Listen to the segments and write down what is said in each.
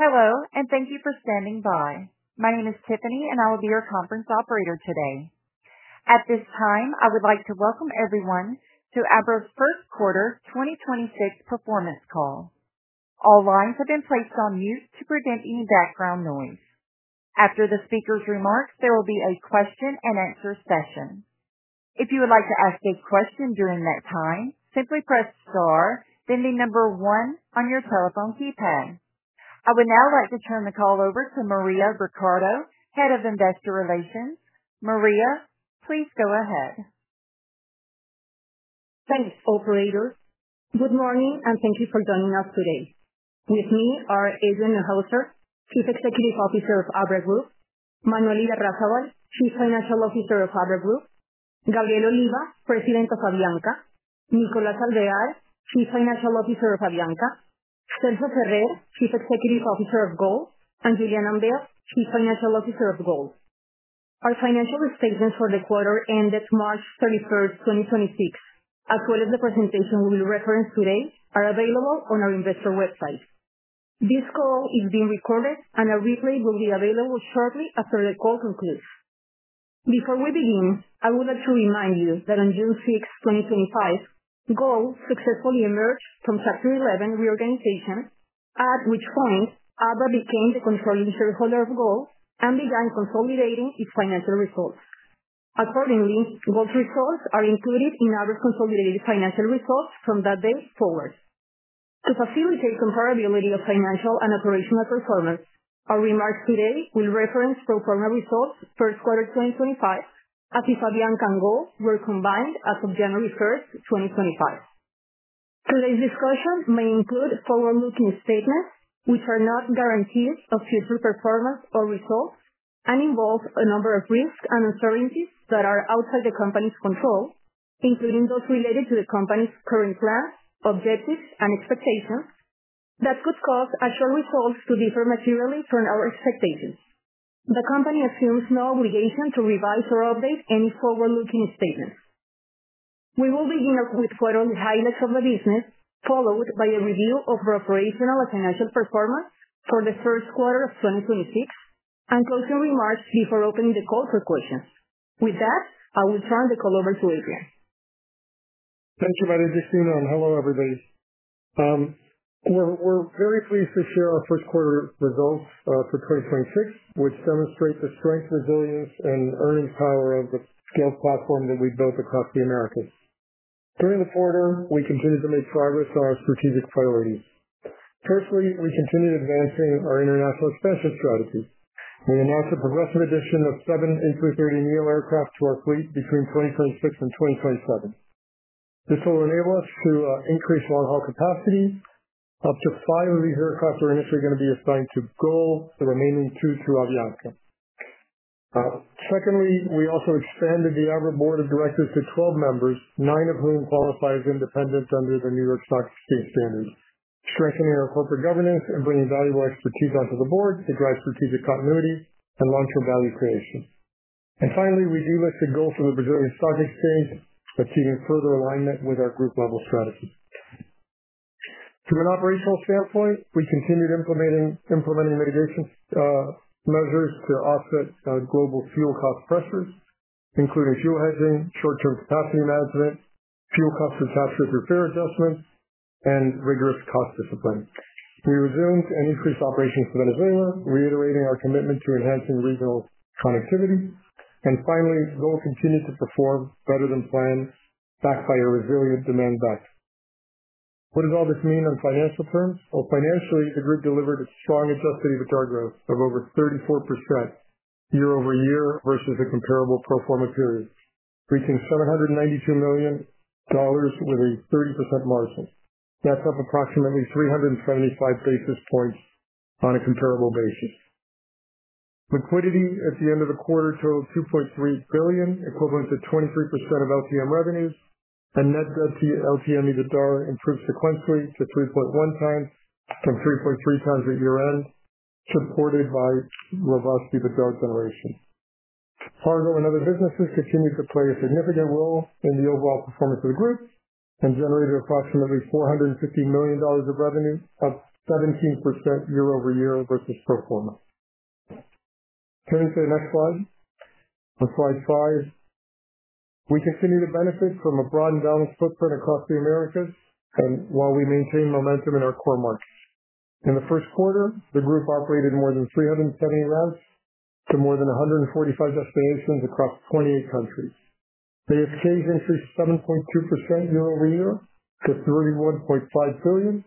Hello, thank you for standing by. My name is Tiffany, and I'll be your conference operator today. At this time, I would like to welcome everyone to Avianca's first quarter 2026 performance call. All lines have been placed on mute to prevent any background noise. After the speaker's remarks, there will be a question and answer session. If you would like to ask a question during that time, simply press star, then the number one on your telephone keypad. I would now like to turn the call over to María Ricardo, Head of Investor Relations.María, please go ahead. Thanks, operator. Good morning. Thank you for joining us today. With me are Adrian Neuhauser, Chief Executive Officer of ABRA Group, Manuel Irarrazaval, Chief Financial Officer of ABRA Group, Gabriel Oliva, President of Avianca, Nicolás Alvear, Chief Financial Officer of Avianca, Celso Ferrer, Chief Executive Officer of GOL, and Julien Imbert, Chief Financial Officer of GOL. Our financial statements for the quarter ended March 31st, 2026, as well as the presentation we will reference today are available on our investor website. This call is being recorded. A replay will be available shortly after the call concludes. Before we begin, I would like to remind you that on June 6th, 2025, GOL successfully emerged from Chapter 11 reorganization, at which point Avianca became the controlling shareholder of GOL and began consolidating its financial results. GOL's results are included in Avianca's consolidated financial results from that date forward. To facilitate comparability of financial and operational performance, our remarks today will reference pro forma results first quarter 2025 after Avianca and GOL were combined as of January 1st, 2025. Today's discussion may include forward-looking statements, which are not guarantees of future performance or results and involve a number of risks and uncertainties that are outside the company's control, including those related to the company's current plans, objectives, and expectations that could cause actual results to differ materially from our expectations. The company assumes no obligation to revise or update any forward-looking statements. We will begin with quarter highlights of the business, followed by a review of our operational and financial performance for the first quarter of 2026 and closing remarks before opening the call for questions. With that, I will turn the call over to Adrian. Thank you very, María Cristina. Hello, everybody. We're very pleased to share our first quarter results for 2026, which demonstrate the strength, resilience, and earning power of the scale platform that we built across the Americas. During the quarter, we continued to make progress on our strategic priorities. Firstly, we continued advancing our international expansion strategy. We announced the progressive addition of 787 aircraft to our fleet between 2026 and 2027. This will enable us to increase long-haul capacity. Up to five of these aircraft are initially going to be assigned to GOL, and the remaining two to Avianca. Secondly, we also expanded the Avianca board of directors to 12 members, nine of whom qualify as independent under the New York Stock Exchange standards, strengthening our corporate governance and bringing valuable expertise onto the board to drive strategic continuity and long-term value creation. Finally, we delisted GOL from the Brazilian Stock Exchange, achieving further alignment with our group-level strategy. From an operational standpoint, we continued implementing mitigation measures to offset global fuel cost pressures, including fuel hedging, short-term capacity management, fuel cost pass-through through fare adjustments, and rigorous cost discipline. We resumed and increased operations in Venezuela, reiterating our commitment to enhancing regional connectivity. Finally, GOL continued to perform better than planned, backed by a resilient demand mix. What does all this mean in financial terms? Well, financially, the group delivered a strong adjusted EBITDA growth of over 34% year-over-year versus the comparable pro forma period, reaching $792 million with a 30% margin. That's up approximately 375 basis points on a comparable basis. Liquidity at the end of the quarter totaled $2.3 billion, equivalent to 23% of LTM revenues, and net debt to LTM EBITDAR improved sequentially to 3.1x from 3.3x at year-end, supported by robust EBITDA generation. Cargo and other businesses continued to play a significant role in the overall performance of the group and generated approximately $450 million of revenue, up 17% year-over-year versus pro forma. Can we see the next slide? On slide five, we continue to benefit from a broadened balance footprint across the Americas and while we maintain momentum in our core markets. In the first quarter, the group operated more than 320 routes to more than 145 destinations across 28 countries. ASKs increased 7.2% year-over-year to 31.5 billion,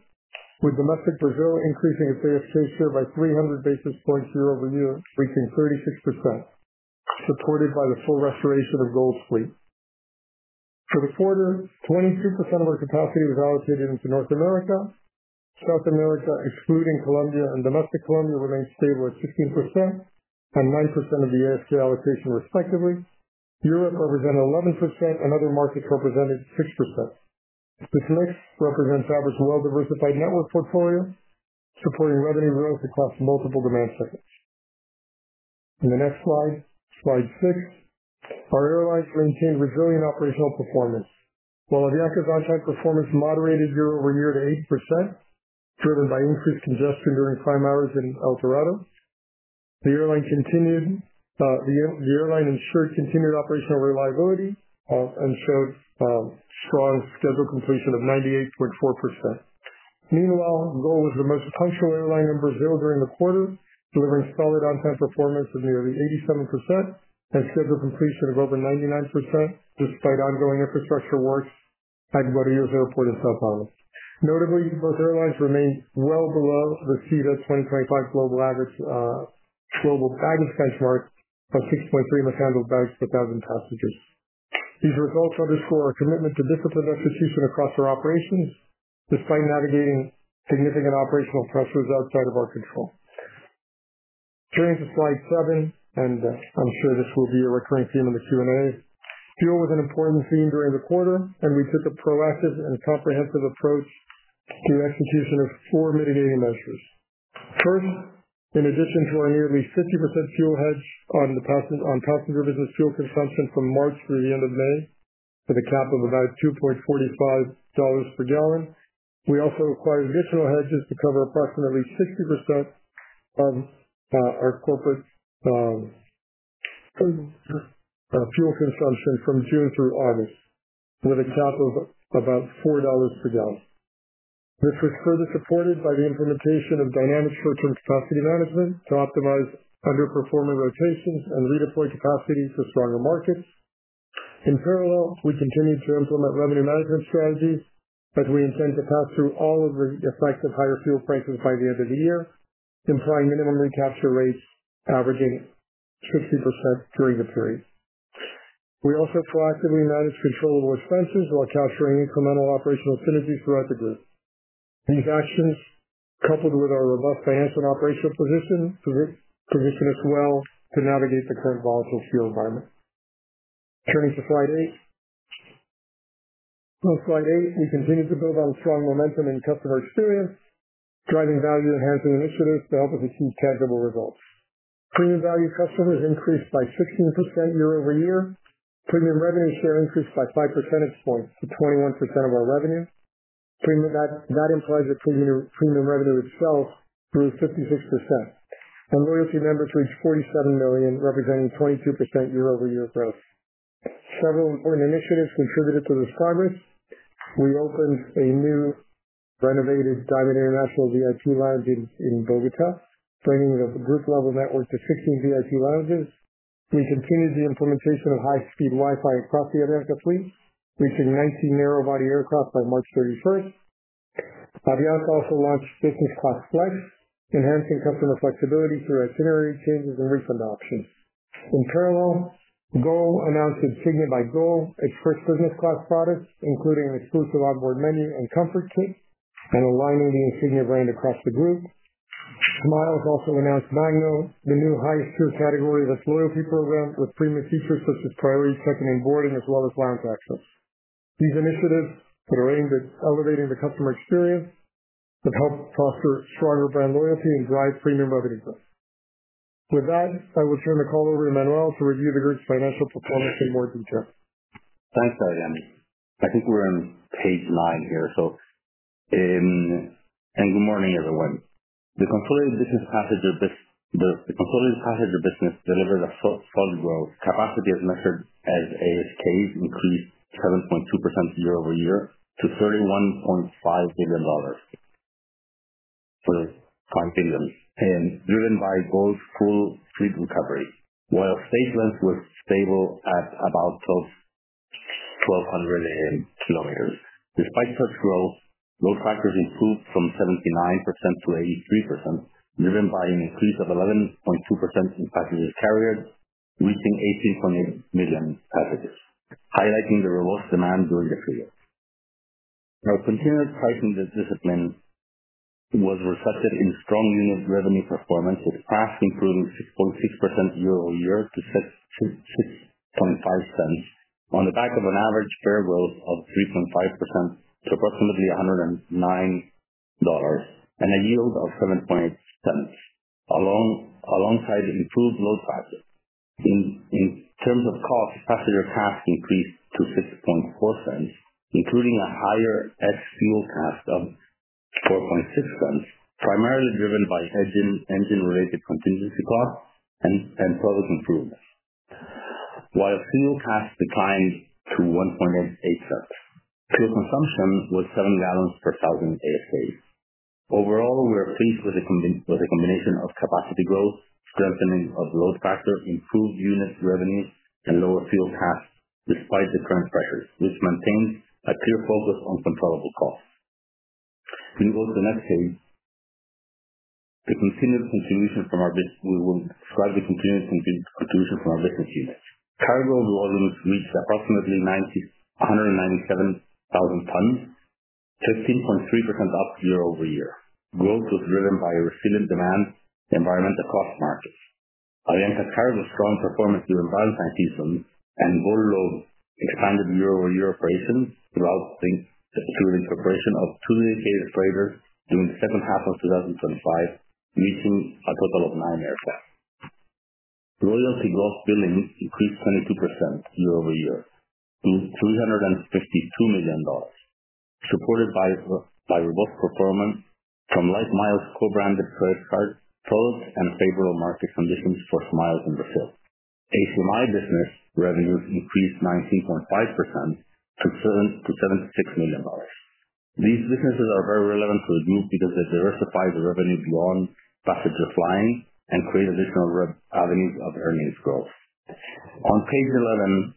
with domestic Brazil increasing its ASK share by 300 basis points year-over-year, reaching 36%, supported by the full restoration of GOL's fleet. For the quarter, 22% of our capacity was allocated to North America, South America, excluding Colombia and domestic Colombia, were then stable at 16%, and 9% of the ASK allocation respectively. Europe represented 11%, and other markets represented 6%. This mix represents Avianca's well-diversified network portfolio, supporting revenue growth across multiple demand segments. In the next slide six. Our airlines maintain resilient operational performance. While Avianca's on-time performance moderated year-over-year to 8%, driven by increased congestion during prime hours in El Dorado, the airline ensured continued operational reliability and showed strong schedule completion of 98.4%. Meanwhile, GOL was the most punctual airline in Brazil during the quarter, delivering solid on-time performance of nearly 87% and schedule completion of over 99%, despite ongoing infrastructure works at Guarulhos Airport in São Paulo. Notably, both airlines remain well below the SITA 2025 global baggage benchmark of 6.3 mishandled bags per 1,000 passengers. These results underscore our commitment to disciplined execution across our operations, despite navigating significant operational pressures outside of our control. Turning to slide seven, I'm sure this will be a recurring theme in the Q&A. Fuel was an important theme during the quarter, we took a proactive and comprehensive approach to the execution of four mitigating measures. First, in addition to our nearly 50% fuel hedge on top of the business fuel consumption from March through the end of May, at a cap of about $2.45 per gallon, we also acquired additional hedges to cover approximately 60% of our corporate fuel consumption from June through August, with a cap of about $4 per gallon. This was further supported by the implementation of dynamic route and capacity management to optimize underperforming rotations and redeploy capacity to stronger markets. In parallel, we continued to implement revenue management strategies as we intend to pass through all of the effects of higher fuel prices by the end of the year, implying minimum recapture rates averaging 60% during the period. We also proactively managed control over expenses while capturing incremental operational synergies throughout the group. These actions, coupled with our robust balance and operational position us well to navigate the current volatile fuel environment. Turning to slide eight. On slide eight, we continue to build on strong momentum in customer experience, driving value-enhancing initiatives that help us achieve tangible results. Premium value customers increased by 16% year-over-year. Premium revenue share increased by 5 percentage points to 21% of our revenue. Premium value premium revenue itself grew 56%. Loyalty members reached 47 million, representing 22% year-over-year growth. Several important initiatives contributed to this progress. We opened a new renovated Diamond International VIP lounge in Bogotá, joining the group-level network of 15 VIP lounges. We continued the implementation of high-speed Wi-Fi across the Avianca fleet, reaching 19 narrow-body aircraft by March 31st. Avianca also launched Business Class Flex, enhancing customer flexibility through itinerary changes and refund options. In parallel, GOL announced Insignia by GOL express business class products, including exclusive onboard menu and comfort kit, and aligning the Insignia brand across the group. Smiles also announced Magno, the new highest tier category of its loyalty program, with premium features such as priority check-in and boarding, as well as lounge access. These initiatives that are aimed at elevating the customer experience to help foster stronger brand loyalty and drive premium revenue growth. With that, I will turn the call over to Manuel to review the group's financial performance in more detail. Thanks, Adrian. I think we're on page nine here. Good morning, everyone. The consolidated passenger business delivered a strong growth. Capacity as measured as ASK increased 7.2% year-over-year to $31.5 billion, driven by GOL's full fleet recovery, while stage length was stable at about 1,200 km. Despite such growth, load factors improved from 79% to 83%, driven by an increase of 11.2% in passengers carried, reaching 18.8 million passengers, highlighting the robust demand during the period. Now, continued pricing discipline was reflected in strong unit revenue performance, with PRASK improving 6.6% year-over-year to $0.065 on the back of an average fare growth of 3.5% to approximately $109 and a yield of $0.078, alongside improved load factors. In terms of costs, passenger CASK increased to $0.064, including a higher ex-fuel CASK of $0.046, primarily driven by engine-related contingency costs and product improvements. While fuel costs declined to $0.0188. Fuel consumption was 7 gallons per 1,000 ASK. Overall, we are pleased with the combination of capacity growth, strengthening of load factor, improved unit revenue, and lower fuel costs despite the current pressures. We've maintained a clear focus on controllable costs. Can we go to the next page? We will describe the continuous contribution from our business units. Cargo load volumes reached approximately 197,000 tons, 15.3% up year-over-year. Growth was driven by resilient demand and vibrant across markets. Avianca Cargo's strong performance during Valentine seasons, and GOLLOG expanded year-over-year operations through the incorporation of two new dedicated freighters during the second half of 2025, reaching a total of nine aircrafts. Loyalty gross billings increased 22% year over year to $352 million, supported by robust performance from LifeMiles co-branded cards and favorable market conditions for Smiles in Brazil. ACMI business revenues decreased 19.5% to $76 million. These businesses are very relevant to the group because they diversify the revenue beyond passenger flying and create additional avenues of earnings growth. On page 11,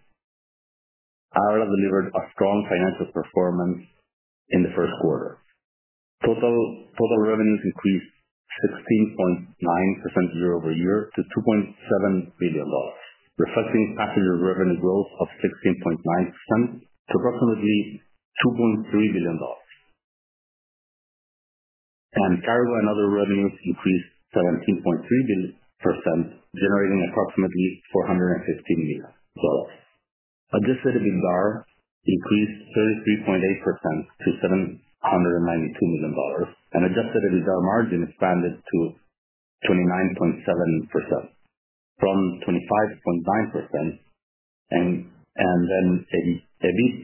ABRA delivered a strong financial performance in the first quarter. Total revenue decreased 16.9% year over year to $2.7 billion, reflecting passenger revenue growth of 16.9% to approximately $2.3 billion. Cargo and other revenues increased 17.3%, generating approximately $415 million. Adjusted EBITDA increased 33.8% to $792 million, adjusted EBITDA margin expanded to 29.7% from 25.9%. EBIT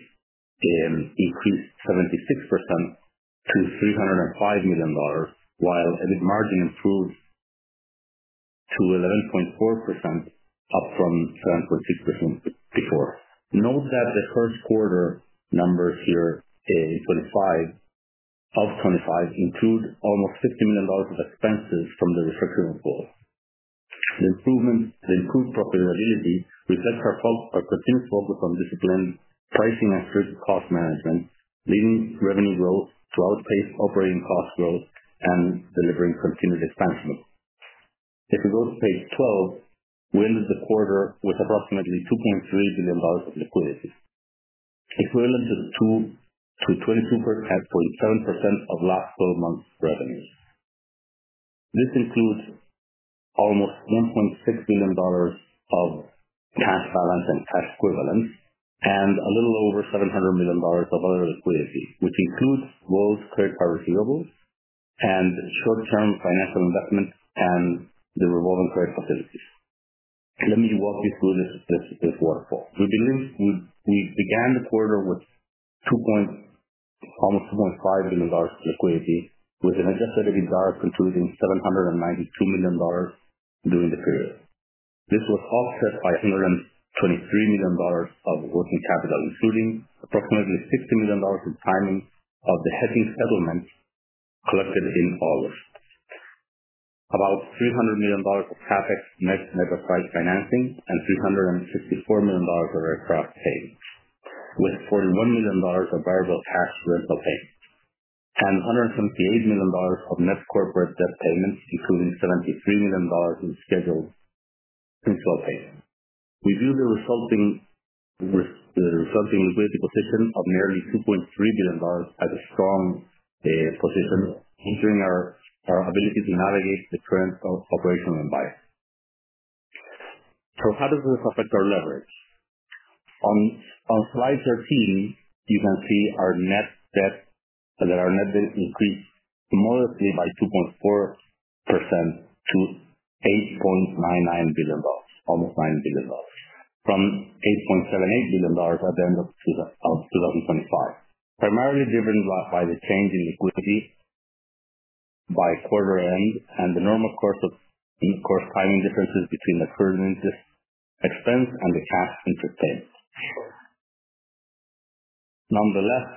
increased 76% to $305 million, while EBIT margin improved to 11.4% up from 7.6% before. Note that the first quarter numbers here of 2025 include almost $50 million of expenses from the restructuring of GOL. The improved profitability reflects our continued focus on disciplined pricing and strict cost management, leading revenue growth, strong pace operating cost growth, and delivering continued expansion. If you go to page 12, we ended the quarter with approximately $2.3 billion liquidity. Equivalent to 22.7% of last 12 months revenues. This includes almost $1.6 billion of cash, balances, and equivalents, and a little over $700 million of other liquidity, which includes GOL’s credit We began the quarter with almost $2.5 billion of liquidity, with adjusted EBITDA improving $792 million during the period. This was offset by $223 million of working capital, including approximately $50 million in timing of the hedging settlement collected in August. About $300 million of CapEx net of financing, and $354 million were aircraft paid, with $41 million of variable cash rents paid, and $128 million of net corporate debt payments, including $73 million in scheduled principal payments. We view the resulting liquidity position of nearly $2.3 billion as a strong position, ensuring our ability to navigate the current operational environment. How does this affect our leverage? On slide 13, you can see our net debt increased modestly by 2.4% to $8.99 billion, almost $9 billion, from $8.78 billion at the end of 2025, primarily driven by the change in liquidity by quarter end and the normal course timing differences between accrued interest expense and the cash interest paid. Nonetheless,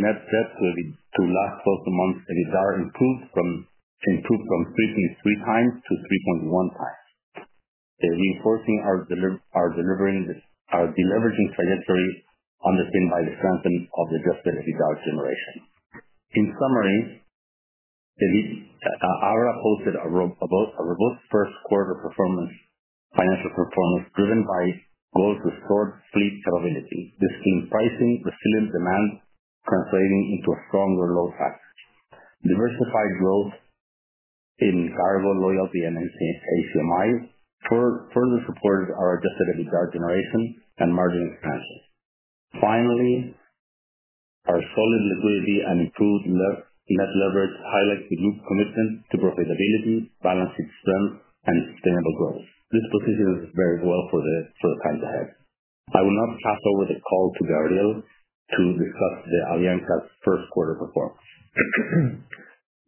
net debt to last 12 months EBITDA improved from 3.3x to 3.1x, reinforcing our deleveraging trajectory underpinned by the strength of adjusted EBITDA generation. In summary, ABRA posted a robust first quarter financial performance driven by growth restored through profitability, disciplined pricing, resilient demand translating into stronger load factors. Diversified growth in cargo loyalty and ACMI further supported our adjusted EBITDA generation and margin expansion. Finally, our solid liquidity and improved net leverage highlight the group commitment to profitability, balanced sheet strength, and sustainable growth. This positions us very well for the current environment. I will now pass over the call to Gabriel to discuss the Avianca first quarter performance.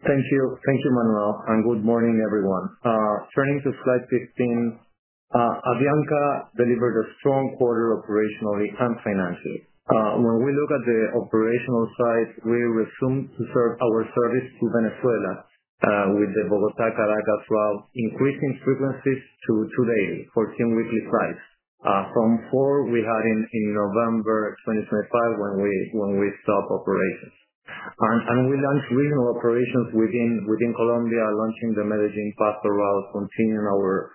Thank you, Manuel, and good morning, everyone. Turning to slide 15. Avianca delivered a strong quarter operationally and financially. When we look at the operational side, we resumed our service to Venezuela with the Bogotá-Caracas route, increasing frequencies to two daily, 14 weekly flights, from four we had in November 2025 when we stopped operations. We launched new operations within Colombia, launching the Medellín-Pasto route, continuing our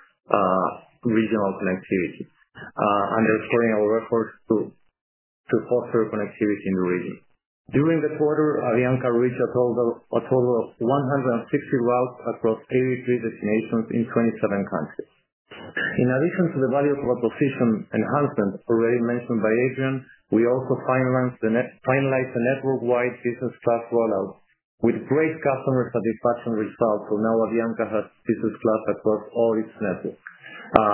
regional connectivity and supporting our efforts to foster connectivity in the region. During the quarter, Avianca reached a total of 160 routes across 83 destinations in 27 countries. In addition to the value proposition enhancements already mentioned by Adrian Neuhauser, we also finalized the network-wide business class rollout with great customer satisfaction results. Now Avianca has business class across all its networks.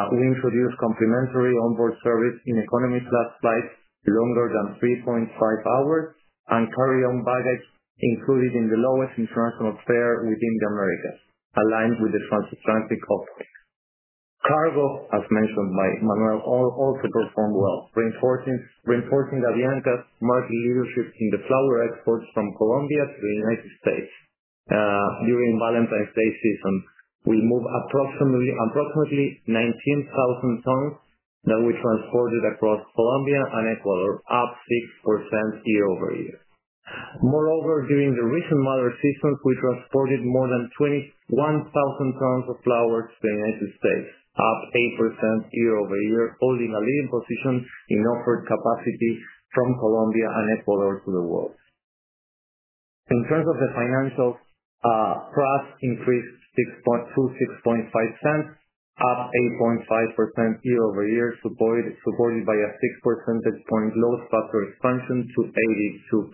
We introduced complimentary onboard service in economy class flights longer than 3.5 hours and carry-on baggage included in the lowest international fare within the Americas, aligned with the transatlantic offerings. Cargo, as mentioned by Manuel, also performed well, reinforcing Avianca's market leadership in the flower exports from Colombia to the United States. During Valentine's Day season, we moved approximately 19,000 tons that we transported across Colombia and Ecuador, up 6% year-over-year. during the recent Mother's season, we transported more than 21,000 tons of flowers to the United States, up 8% year-over-year, holding a leading position in offered capacity from Colombia and Ecuador to the world. In terms of the financial, CASK increased $0.062, $0.065, up 8.5% year-over-year, supported by a 6 percentage point load factor expansion to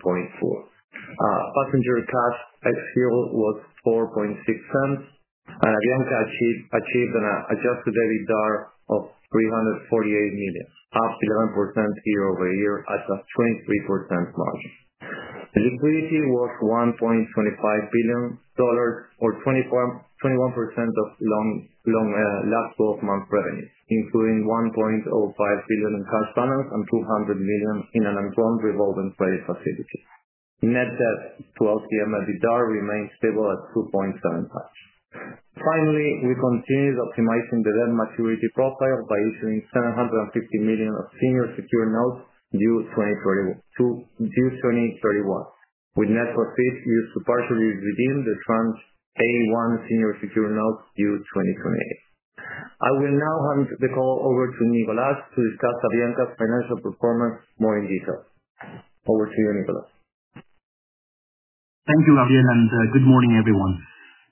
82.4. Passenger CASK ex-fuel was $0.046, and Avianca achieved an adjusted EBITDA of $348 million, up 11% year-over-year at a 23% margin. The liquidity was $1.25 billion or 21% of last twelve-month revenues, including $1.05 billion in cash balance and $200 million in an undrawn revolving credit facility. Net debt to LTM EBITDA remains stable at 2.7x. Finally, we continued optimizing the debt maturity profile by issuing $750 million of senior secured notes due 2031, with net proceeds used to partially redeem the Tranche A-1 senior secured notes due 2028. I will now hand the call over to Nicolás to discuss Avianca's financial performance more in detail. Over to you, Nicolás. Thank you, Gabriel, and good morning, everyone.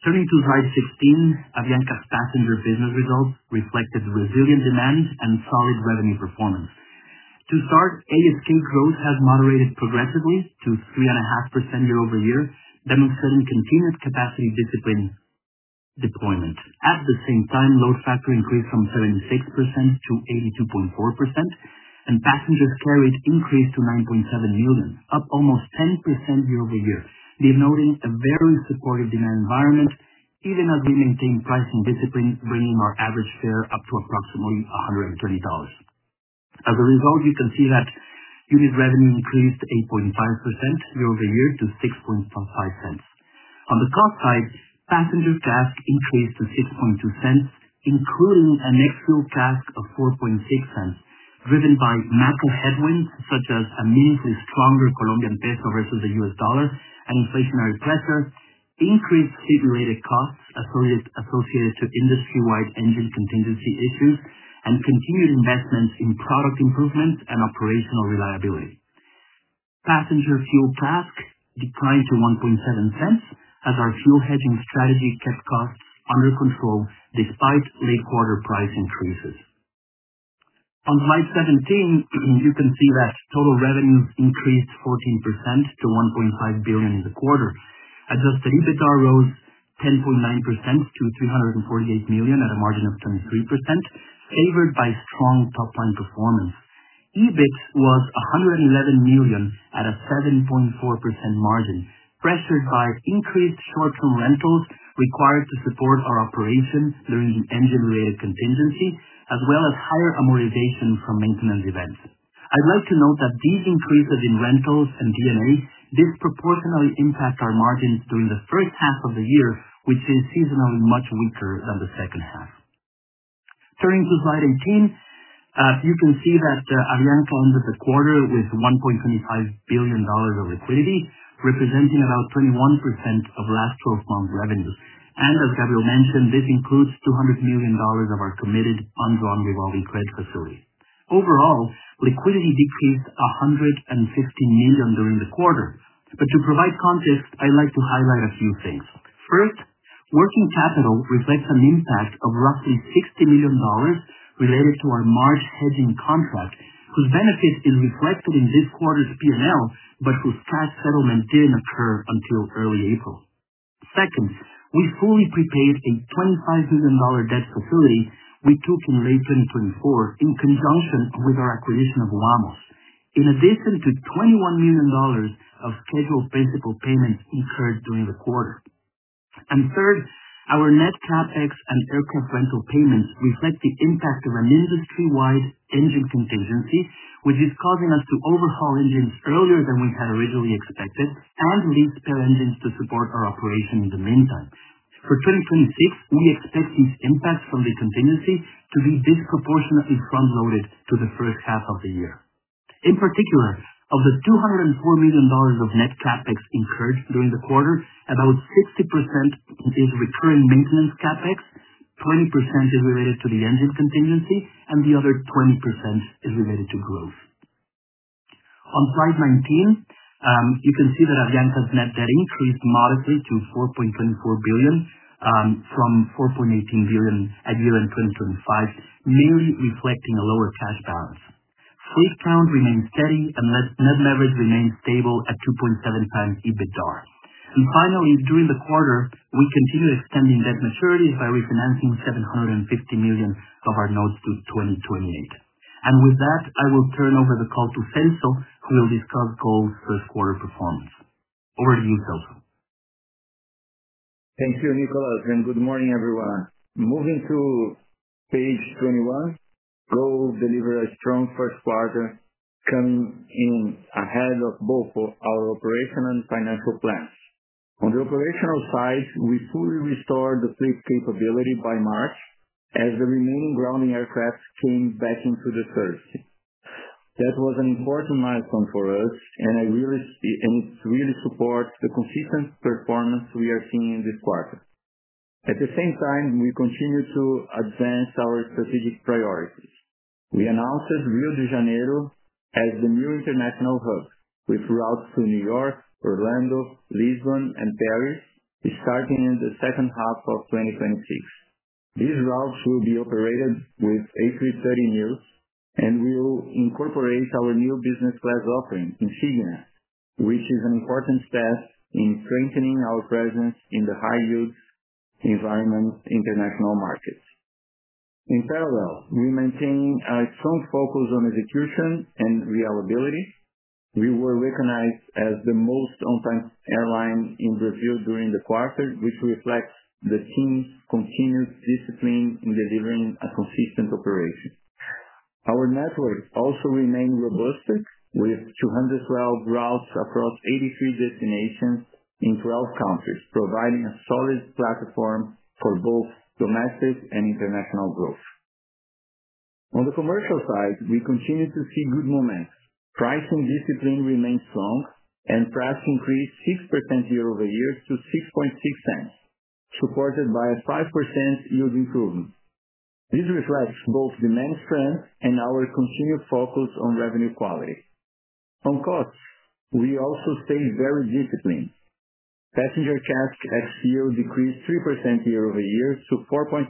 Turning to slide 16, Avianca's passenger business results reflected resilient demand and solid revenue performance. To start, ASK growth has moderated progressively to 3.5% year-over-year, benefiting continued capacity discipline deployment. At the same time, load factor increased from 76% to 82.4%, and passengers carried increased to 9.7 million, up almost 10% year-over-year, denoting a very supportive demand environment, even as we maintain pricing discipline, bringing our average fare up to approximately $120. As a result, you can see that unit revenue increased 8.5% year-over-year to $0.065. On the cost side, passenger CASK increased to $0.062, including an ex-fuel CASK of $0.046, driven by macro headwinds such as a meaningfully stronger Colombian peso versus the US dollar and inflationary pressures, increased fleet-related costs associated with industry-wide engine contingency issues, and continued investments in product improvement and operational reliability. Passenger fuel CASK declined to $0.017 as our fuel hedging strategy kept costs under control despite mid-quarter price increases. On slide 17, you can see that total revenues increased 14% to $1.5 billion in the quarter. Adjusted EBITDA rose 10.9% to $348 million at a margin of 23%, favored by strong top-line performance. EBIT was $111 million at a 7.4% margin, pressured by increased short-term rentals required to support our operations during an engine-related contingency, as well as higher amortization from maintenance events. I'd like to note that these increases in rentals and D&A disproportionately impact our margins during the first half of the year, which is seasonally much weaker than the second half. Turning to slide 18, you can see that Avianca ended the quarter with $1.25 billion of liquidity, representing about 21% of last 12 months revenue. As Adrian mentioned, this includes $200 million of our committed undrawn revolving credit facility. Overall, liquidity decreased $116 million during the quarter. To provide context, I'd like to highlight a few things. First, working capital reflects an impact of roughly $60 million related to our March hedging contract, whose benefit is reflected in this quarter's P&L, but whose cash settlement didn't occur until early April. Second, we fully prepaid a $25 million debt facility we took in late 2024 in conjunction with our acquisition of Wamos, in addition to $21 million of scheduled principal payments incurred during the quarter. Third, our net CapEx and aircraft rental payments reflect the impact of an industry-wide engine contingency, which is causing us to overhaul engines earlier than we had originally expected and lease spare engines to support our operation in the meantime. For 2026, we expect these impacts from the contingency to be disproportionately front-loaded to the first half of the year. In particular, of the $204 million of net CapEx incurred during the quarter, about 60% is return maintenance CapEx, 20% is related to the engine contingency, and the other 20% is related to growth. On slide 19, you can see that Avianca's net debt increased modestly to 4.24 billion from 4.18 billion at year-end 2025, mainly reflecting a lower cash balance. Free cash remains steady, and net leverage remains stable at 2.7 times EBITDA. Finally, during the quarter, we continued extending debt maturities by refinancing $750 million of our notes due 2028. With that, I will turn over the call to Celso, who will discuss GOL's first quarter performance. Over to you, Celso. Thank you, Nicolás, and good morning, everyone. Moving to page 21, GOL delivered a strong first quarter, coming in ahead of both our operational and financial plans. On the operational side, we fully restored the fleet capability by March as the remaining grounding aircraft came back into the service. That was an important milestone for us, and it really supports the consistent performance we are seeing in this quarter. At the same time, we continue to advance our strategic priorities. We announced Rio de Janeiro as the new international hub, with routes to New York, Orlando, Lisbon, and Paris starting in the second half of 2026. These routes will be operated with A330neos and will incorporate our new business class offering, Insignia, which is an important step in strengthening our presence in the high yield environment international markets. In parallel, we maintain a strong focus on execution and reliability. We were recognized as the most on-time airline in Brazil during the quarter, which reflects the team's continuous discipline in delivering a consistent operation. Our network also remains robust, with 212 routes across 83 destinations in 12 countries, providing a solid platform for both domestic and international growth. On the commercial side, we continue to see good momentum. Pricing discipline remains strong, and PRASK increased 6% year-over-year to $0.066, supported by a 5% yield improvement. This reflects both demand strength and our continued focus on revenue quality. On costs, we also stayed very disciplined. Passenger CASK ex-fuel decreased 3% year-over-year to $0.046,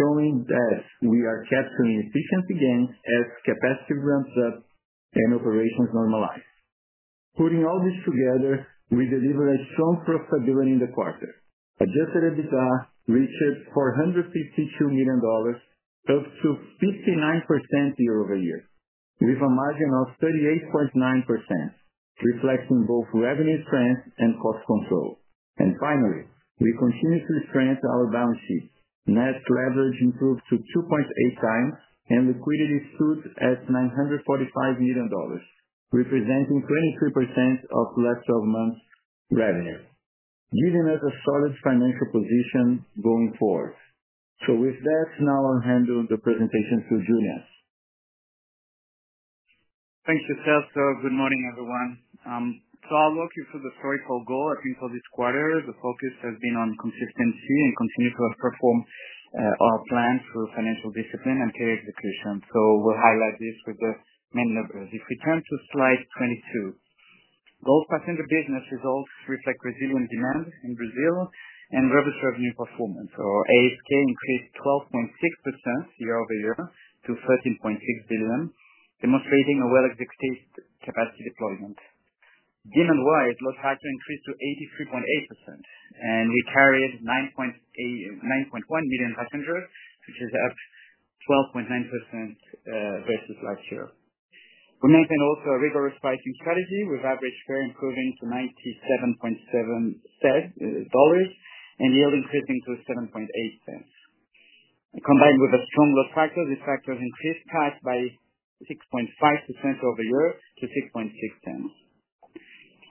showing that we are capturing efficiency gains as capacity ramps up and operations normalize. Putting all this together, we delivered strong profitability in the quarter. Adjusted EBITDA reached $452 million, up to 59% year-over-year, with a margin of 38.9%, reflecting both revenue strength and cost control. Finally, we continue to strengthen our balance sheet. Net leverage improved to 2.8 times, and liquidity stood at $945 million, representing 23% of last 12 months revenue, giving us a solid financial position going forward. With that, now I'll hand over the presentation to Julien. Thanks to Celso. Good morning, everyone. I'll walk you through the financial goal at the end of this quarter. The focus has been on consistency and continuing to outperform our plans through financial discipline and fleet execution. We'll highlight this with the main numbers. If you turn to slide 22. GOL passenger business results reflect resilient demand in Brazil and robust revenue performance. Our ASK increased 12.6% year-over-year to 13.6 billion, demonstrating a well-mixed capacity deployment. Demand-wise, load factor increased to 83.8%, and we carried 9.1 million passengers, which is up 12.9% versus last year. Maintaining also a rigorous pricing strategy with average fare increasing to $97.7, and yield increasing to $0.078. Combined with a stronger factor, this PRASK increased by 6.5% over the year to $0.066.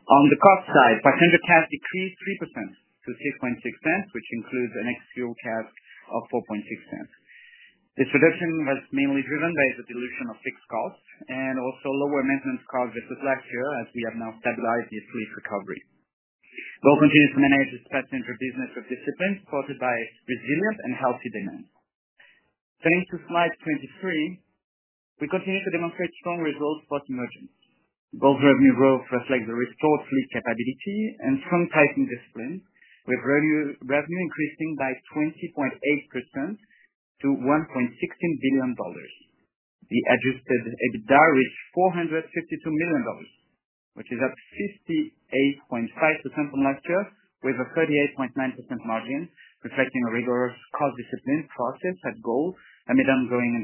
On the cost side, passenger CASK decreased 3% to $0.066, which includes an ex-fuel CASK of $0.046. This reduction was mainly driven by the dilution of fixed costs and also lower maintenance costs as of last year, as we have now stabilized the fleet recovery. GOL reduced managed passenger business with discipline supported by resilience and healthy demand. Turning to slide 23, we continue to demonstrate strong results post-merger. GOL's revenue growth reflects the restored fleet capability and strong pricing discipline, with revenue increasing by 20.8% to $1.16 billion. The adjusted EBITDA is $452 million, which is up 58.5% from last year, with a 38.9% margin, reflecting a rigorous cost discipline process at GOL and the ongoing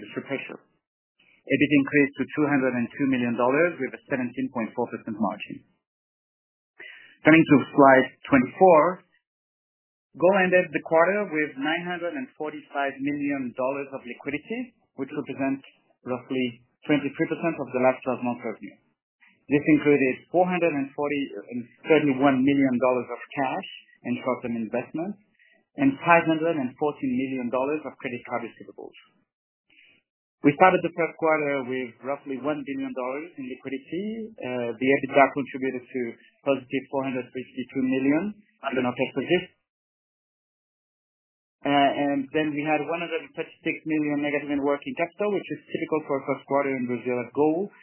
industry pressure. EBIT increased to $202 million with a 17.4% margin. Turning to slide 24, GOL ended the quarter with $945 million of liquidity, which represents roughly 23% of the last 12 months revenue. This included $471 million of cash and short-term investments and $514 million of credit facilities available. We started the first quarter with roughly $1 billion in liquidity. The EBITDA contributed to +$452 million under non-cash position. We had $136 million negative in working capital, which is typical for first quarter in Brazil GOL's,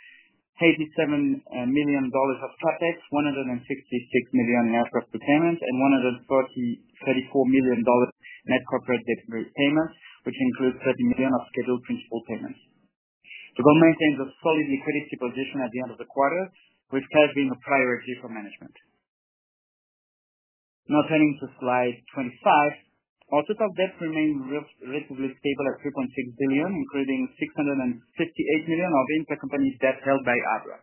$87 million of CapEx, $166 million in outflows payments, and $130 million, $34 million net corporate debt repayments, which includes $30 million of scheduled principal payments. The GOL maintains a solid liquidity position at the end of the quarter, which has been the priority for management. Now turning to slide 25. Total debt remains relatively stable at $3.6 billion, including $658 million of intercompany debt held by ABRA.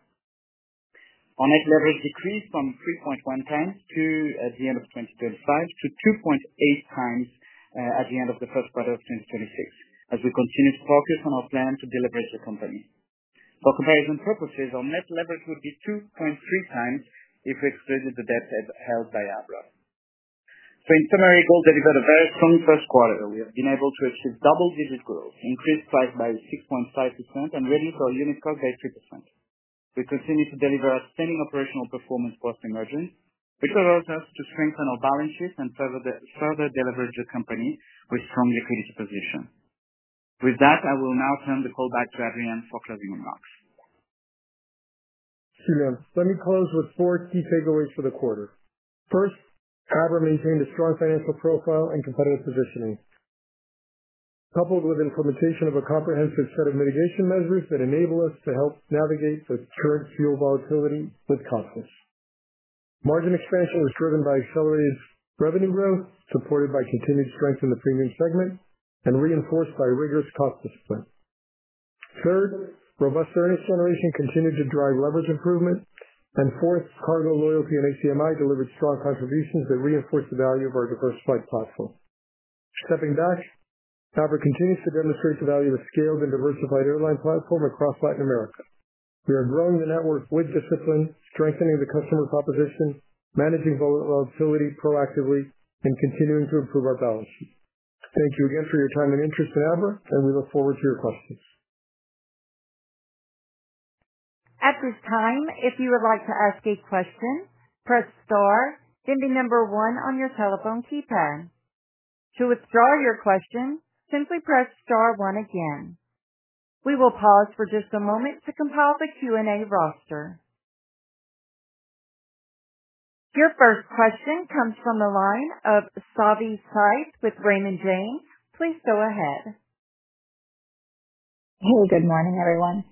Our net leverage decreased from 3.1x to at the end of 2025 to 2.8x at the end of the first quarter of 2026, as we continued to focus on our plan to de-leverage the company. For comparison purposes, our net leverage would be 2.3x if excluding the debt held by ABRA. In summary, we had a very strong first quarter. We have been able to achieve double-digit growth, increased price by 6.5% and revenue by 6%. We continue to deliver a sustainable operational performance across the region, which allows us to strengthen our balance sheet and further de-leverage the company with a strong strategic position. With that, I will now turn the call back to Adrian for closing remarks. Sure. Let me close with four key takeaways for the quarter. First, ABRA maintained a strong financial profile and competitive positioning, coupled with implementation of a comprehensive set of mitigation measures that enable us to help navigate the current fuel volatility with confidence. Margin expansion was driven by accelerated revenue growth, supported by continued strength in the premium segment and reinforced by rigorous cost discipline. Third, robust earnings generation continued to drive leverage improvement. Fourth, cargo loyalty and ACMI delivered strong contributions that reinforced the value of our diverse flight platform. Stepping back, ABRA continues to demonstrate the value of scale of a diversified airline platform across Latin America. We are growing the network with discipline, strengthening the customer proposition, managing volatility proactively, and continuing to improve our balance sheet. Thank you again for your time and interest in ABRA, and we look forward to your questions. At this time, if you would like to ask a question, press star, then the number one on your telephone keypad. To withdraw your question, simply press star one again. We will pause for just a moment to compile the Q&A roster. Your first question comes from the line of Savi Syth with Raymond James. Please go ahead. Hey, good morning, everyone.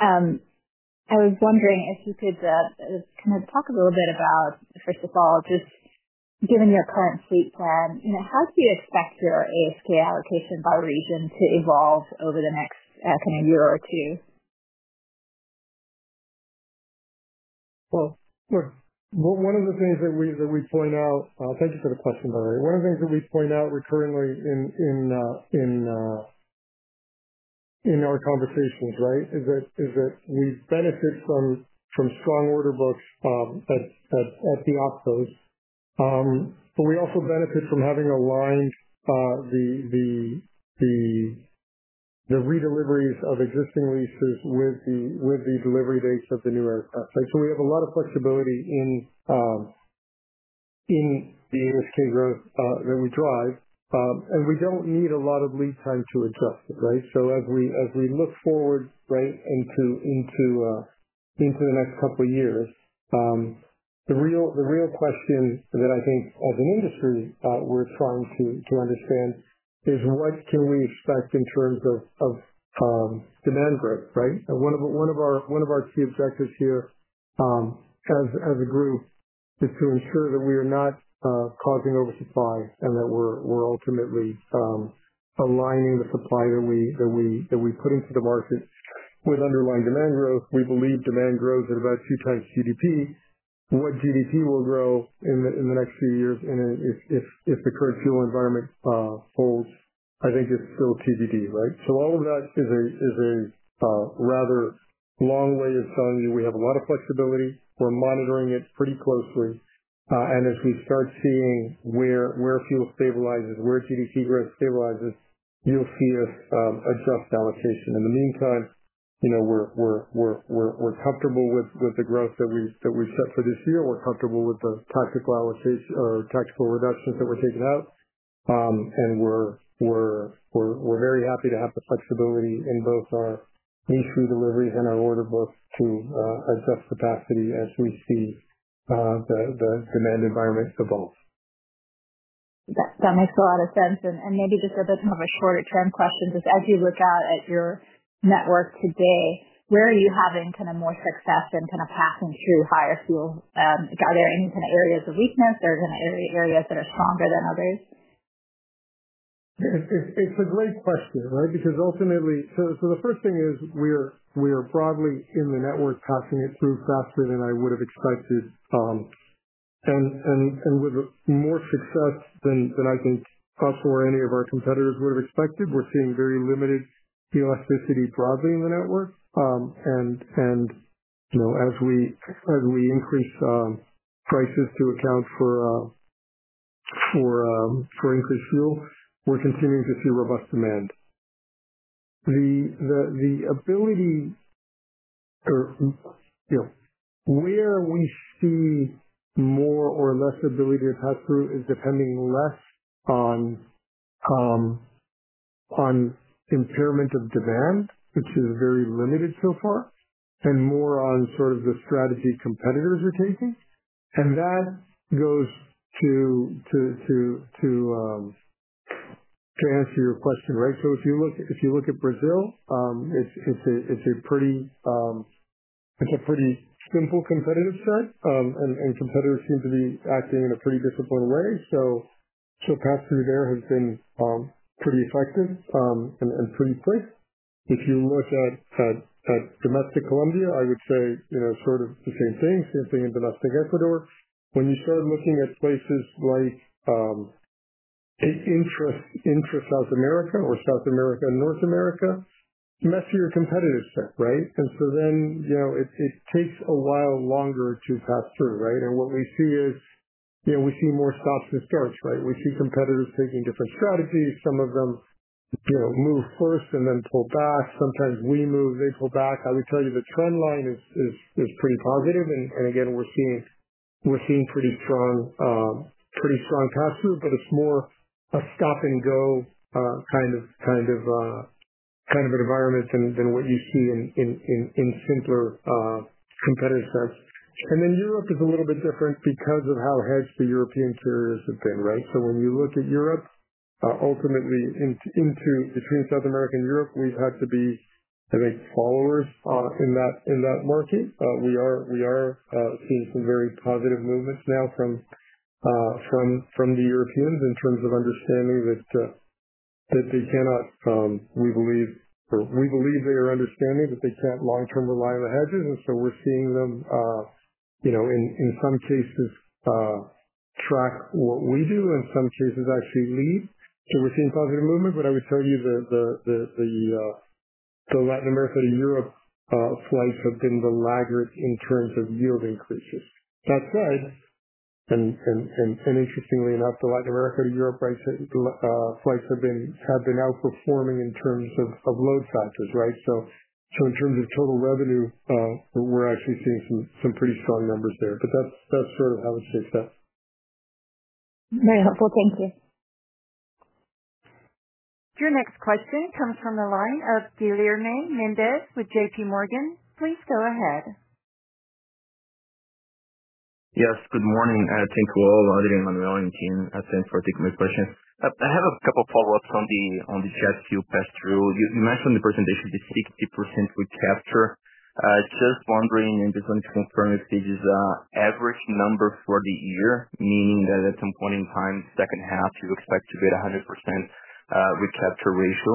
I was wondering if you could, kind of, talk a little bit about, first of all, just given your current fleet plan, how do you expect your ASK allocation by region to evolve over the next, I don't know, year or two? Well, look, one of the things that we point out. Thank you for the question, by the way. One of the things that we point out recurrently in our conversations, right? Is that we benefit from strong order books at the ops. We also benefit from having aligned the redeliveries of existing leases with the delivery dates of the new aircraft. We have a lot of flexibility in the industry growth that we drive, and we don't need a lot of lead time to adjust it, right? As we look forward, right, into the next couple of years, the real question that I think all the industry we're trying to understand is what can we expect in terms of demand growth, right? One of our key objectives here, as a group, is to ensure that we are not causing oversupply and that we're ultimately aligning the supply that we put into the market with underlying demand growth. We believe demand grows at about two times GDP. What GDP will grow in the next few years, and if the current fuel environment holds, I think it's still TBD, right? All of that is a rather long way of saying we have a lot of flexibility. We're monitoring it pretty closely. If we start seeing where fuel stabilizes, where GDP growth stabilizes, you'll see us adjust allocation. In the meantime, we're comfortable with the growth that we set for this year. We're comfortable with the tactical allocations or tactical reductions that we're taking out, and we're very happy to have the flexibility in both our lease through deliveries and our order books to adjust capacity as we see the demand environment evolve. That makes a lot of sense. Maybe just a bit more of a shorter-term question, just as you look out at your network today, where are you having kind of more success than kind of passing through higher fuel? Are there any areas of weakness or is there any areas that are stronger than others? It's a great question, right? Because ultimately the first thing is we are broadly in the network passing it through faster than I would have expected, and with more success than I think us or any of our competitors would have expected. We're seeing very limited elasticity broadly in the network. As we increase prices to account for increased fuel, we're continuing to see robust demand. The ability, or where we see more or less ability to pass through is depending less on impairment of demand, which is very limited so far, and more on the strategy competitors are taking. That goes to answer your question, right? If you look at Brazil, it's a pretty simple competitive set, and competitors seem to be acting in a pretty disciplined way. Pass through there has been pretty effective and pretty quick. If you look at domestic Colombia, I would say the same thing. Same thing in domestic Ecuador. When you start looking at places like intra-South America or South America, North America, messier competitive set, right? It takes a while longer to pass through, right? What we see is, we see more stops and starts, right? We see competitors taking different strategies. Some of them move first and then pull back. Sometimes we move, they pull back. I would tell you the trend line is pretty positive. We're seeing pretty strong pass through, but it's more a stop-and-go kind of environment than what you see in simpler competitive sets. Europe is a little bit different because of how hedged the European carriers have been, right? When we look at Europe, ultimately between South America and Europe, we've had to be the big followers in that market. We are seeing some very positive movements now from the Europeans in terms of understanding that they can't long-term rely on the hedges. We're seeing them, in some cases, track what we do, in some cases actually lead. We're seeing positive movement. I would tell you that the Latin America to Europe flights have been the laggards in terms of yield increases. That said, and interestingly enough, the Latin America to Europe flights have been outperforming in terms of load factors, right? In terms of total revenue, we're actually seeing some pretty strong numbers there. That's sort of how we'd say that. Very helpful. Thank you. Your next question comes from the line of Guilherme Mendes with JPMorgan. Please go ahead. Yes, good morning. Thank you all, Adrian, Manuel and team. Thanks for taking my question. I have a couple follow-ups on the jet fuel pass through. You mentioned in the presentation the 60% recapture. Just wondering if you can confirm if this is a average number for the year, meaning at some point in time, second half, you expect to be at 100% recapture ratio,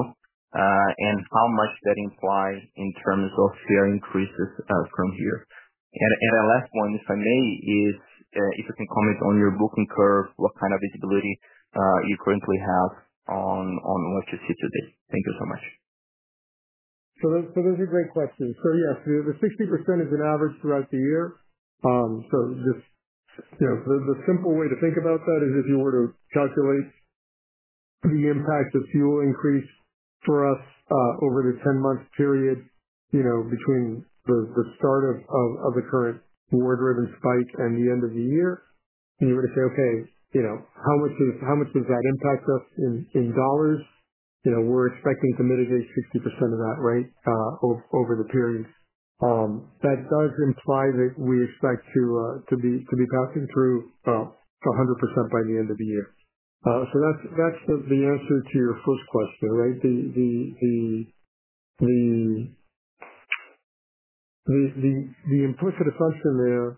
and how much that implies in terms of fare increases from here? A last one, if I may, is if you can comment on your booking curve, what kind of visibility you currently have on elasticity? Thank you so much. Those are great questions. Yes, the 60% is an average throughout the year. The simple way to think about that is if you were to calculate the impact of fuel increase for us over the 10-month period, between the start of the current war-driven spike and the end of the year, you would say, "Okay, how much does that impact us in dollars?" We're expecting to mitigate 60% of that over the period. That does imply that we expect to be passing through 100% by the end of the year. That's the answer to your first question, right? The implicit assumption there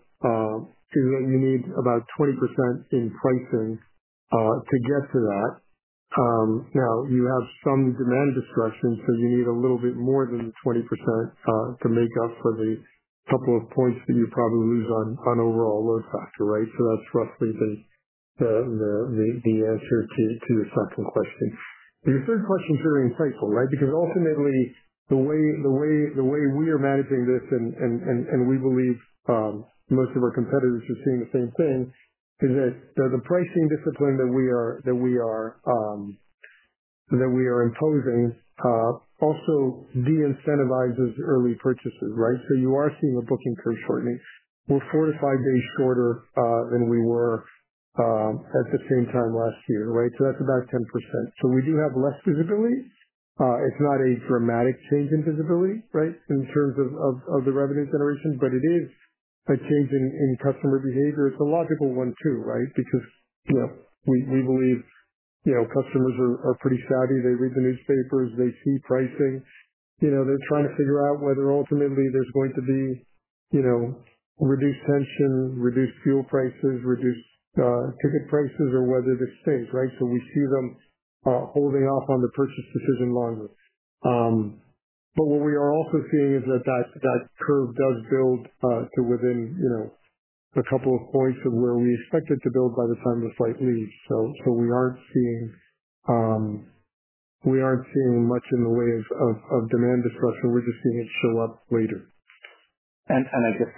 is that you need about 20% in pricing to get to that. Now you have some demand destruction, so you need a little bit more than 20% to make up for the couple of points that you probably lose on overall load factor, right? That's roughly the answer to your second question. Your third question is very insightful, right? Because ultimately the way we are managing this, and we believe most of our competitors are doing the same thing, is that the pricing discipline that we are imposing also de-incentivizes early purchases, right? You are seeing the booking curve shortening. We're four or five days shorter than we were at the same time last year, right? That's about 10%. We do have less visibility. It's not a dramatic change in visibility in terms of the revenue generation, but it is a change in customer behavior. It's a logical one, too, right? Because we believe customers are pretty savvy. They read the newspapers, they see pricing. They're trying to figure out whether ultimately there's going to be reduced tension, reduced fuel prices, reduced ticket prices, or whether this sticks, right? We see them holding off on the purchase decision longer. What we are also seeing is that curve does build to within a couple of points of where we expect it to build by the time the flight leaves. We aren't seeing much in the way of demand destruction. We're just seeing it show up later. I guess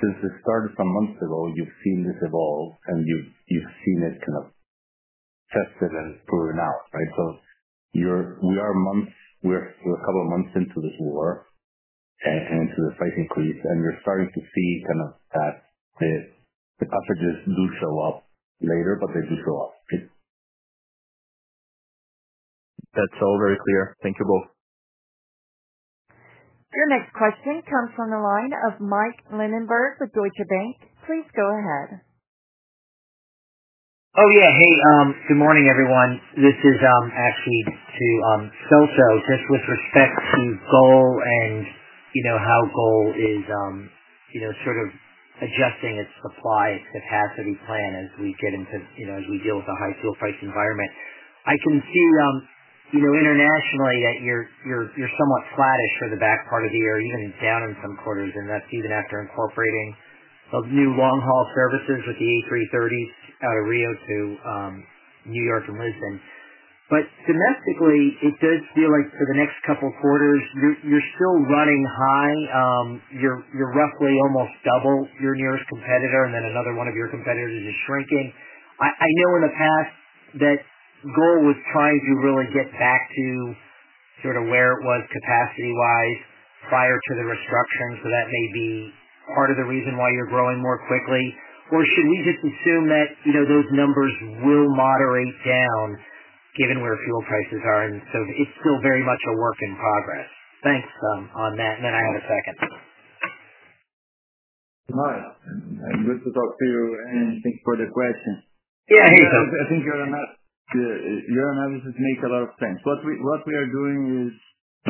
since this started some months ago, you've seen this evolve and you've seen it kind of tested and proven out, right? We're a couple of months into this war and into the price increase, and we're starting to see that the passengers do show up later, but they do show up. That's all very clear. Thank you both. Your next question comes from the line of Mike Linenberg with Deutsche Bank. Please go ahead. Oh, yeah. Hey, good morning, everyone. This is actually to Celso, just with respect to GOL and how GOL is sort of adjusting its supply, its capacity plan as we deal with a high fuel price environment. I can see, internationally, that you're somewhat flat-ish for the back part of the year, even down in some quarters, and that's even after incorporating of new long-haul services with the A330s, Rio to New York and Lisbon. Domestically, it does feel like for the next couple of quarters, you're still running high. You're roughly almost double your nearest competitor, and then another one of your competitors is shrinking. I know in the past that GOL was trying to really get back to where it was capacity-wise prior to the disruption. That may be part of the reason why you're growing more quickly. Should we just assume that those numbers will moderate down given where fuel prices are and so it's still very much a work in progress? Thanks. On that note, I have a second. Hi, good to talk to you, thanks for the question. Yeah. I think you're on this with me. A lot of sense. What we are doing is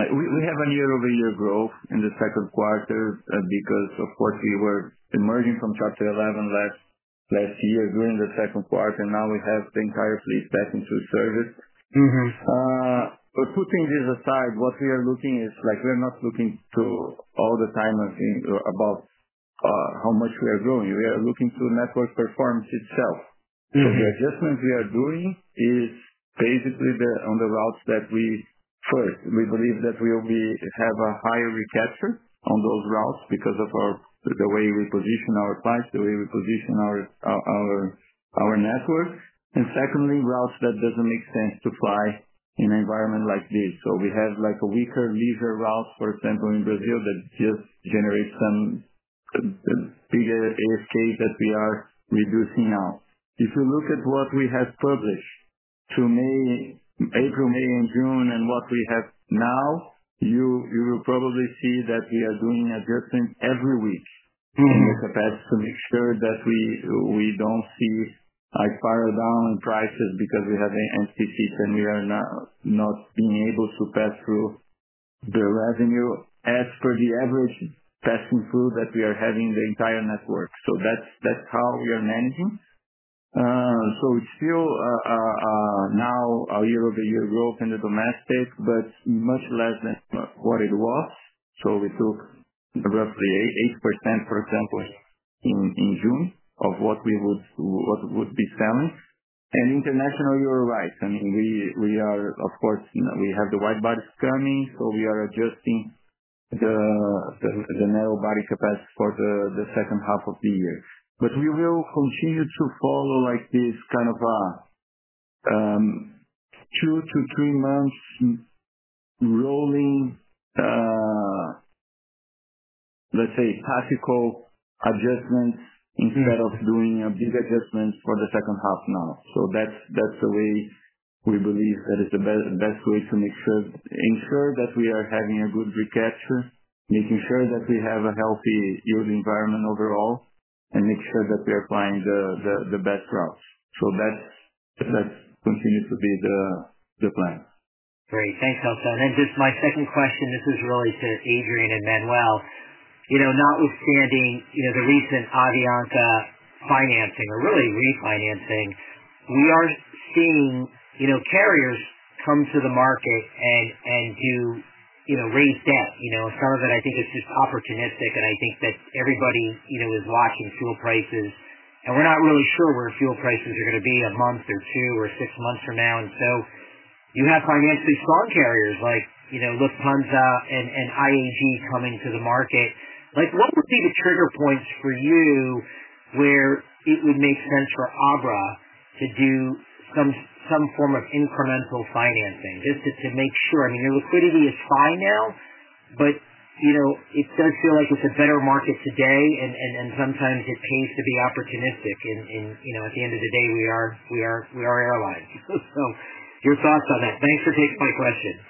we have a year-over-year growth in the second quarter because, of course, we were emerging from Chapter 11 last year during the second quarter, and now we have the entire fleet back into service. Putting this aside, what we are looking is, we're not looking to all the time and thinking about how much we are growing. We are looking to network performance itself. The adjustment we are doing is basically on the routes that First, we believe that we'll have a higher recapture on those routes because of the way we position our flights, the way we position our network, and secondly, routes that doesn't make sense to fly in an environment like this. We have a weaker leisure route, for example, in Brazil, that just generates some bigger ASK that we are reducing now. If you look at what we have published to April, May, and June, and what we have now, you will probably see that we are doing adjustments every week. to make sure that we don't see a spiral down in prices because we have an empty seat and we are not being able to pass through the revenue as per the average passing through that we are having the entire network. That's how we are managing. It's still now a year-over-year growth in the domestic, but much less than what it was. We took roughly 8%, for example, in June of what would be coming. Internationally, you're right. Of course, we have the wide-bodies coming, so we are adjusting the narrow-body capacity for the second half of the year. We will continue to follow this kind of a two to three months rolling, let's say, tactical adjustments instead of doing a big adjustment for the second half now. That's the way we believe that is the best way to ensure that we are having a good recapture, making sure that we have a healthy yield environment overall, and make sure that we are flying the best routes. That continues to be the plan. Great. Thanks, Celso. Just my second question, this is really to Adrian and Manuel. Notwithstanding, the recent Avianca financing or really refinancing, we aren't seeing carriers come to the market and raise debt. Some of it I think is just opportunistic, and I think that everybody is watching fuel prices, and we're not really sure where fuel prices are going to be a month or two or six months from now. You have financially strong carriers like Lufthansa and IAG coming to the market. What would be the trigger points for you where it would make sense for ABRA to do some form of incremental financing, just to make sure? I mean, your liquidity is fine now, but it does feel like it's a better market today and sometimes it pays to be opportunistic. At the end of the day, we are airlines. Your thoughts on that. Thanks for taking my questions.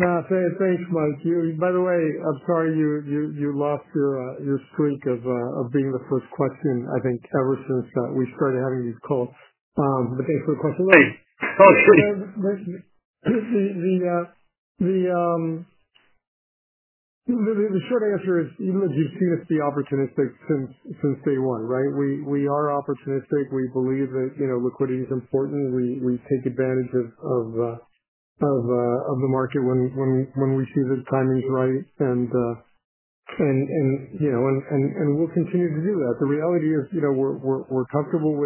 Yeah, thanks, Mike. By the way, I'm sorry you lost your streak of being the first question, I think, ever since we started having these calls. Thanks for the question. The short answer is, even as you've seen us be opportunistic since day one, right? We are opportunistic. We believe that liquidity is important. We take advantage of the market when we see the timing's right and we'll continue to do that. The reality is we're comfortable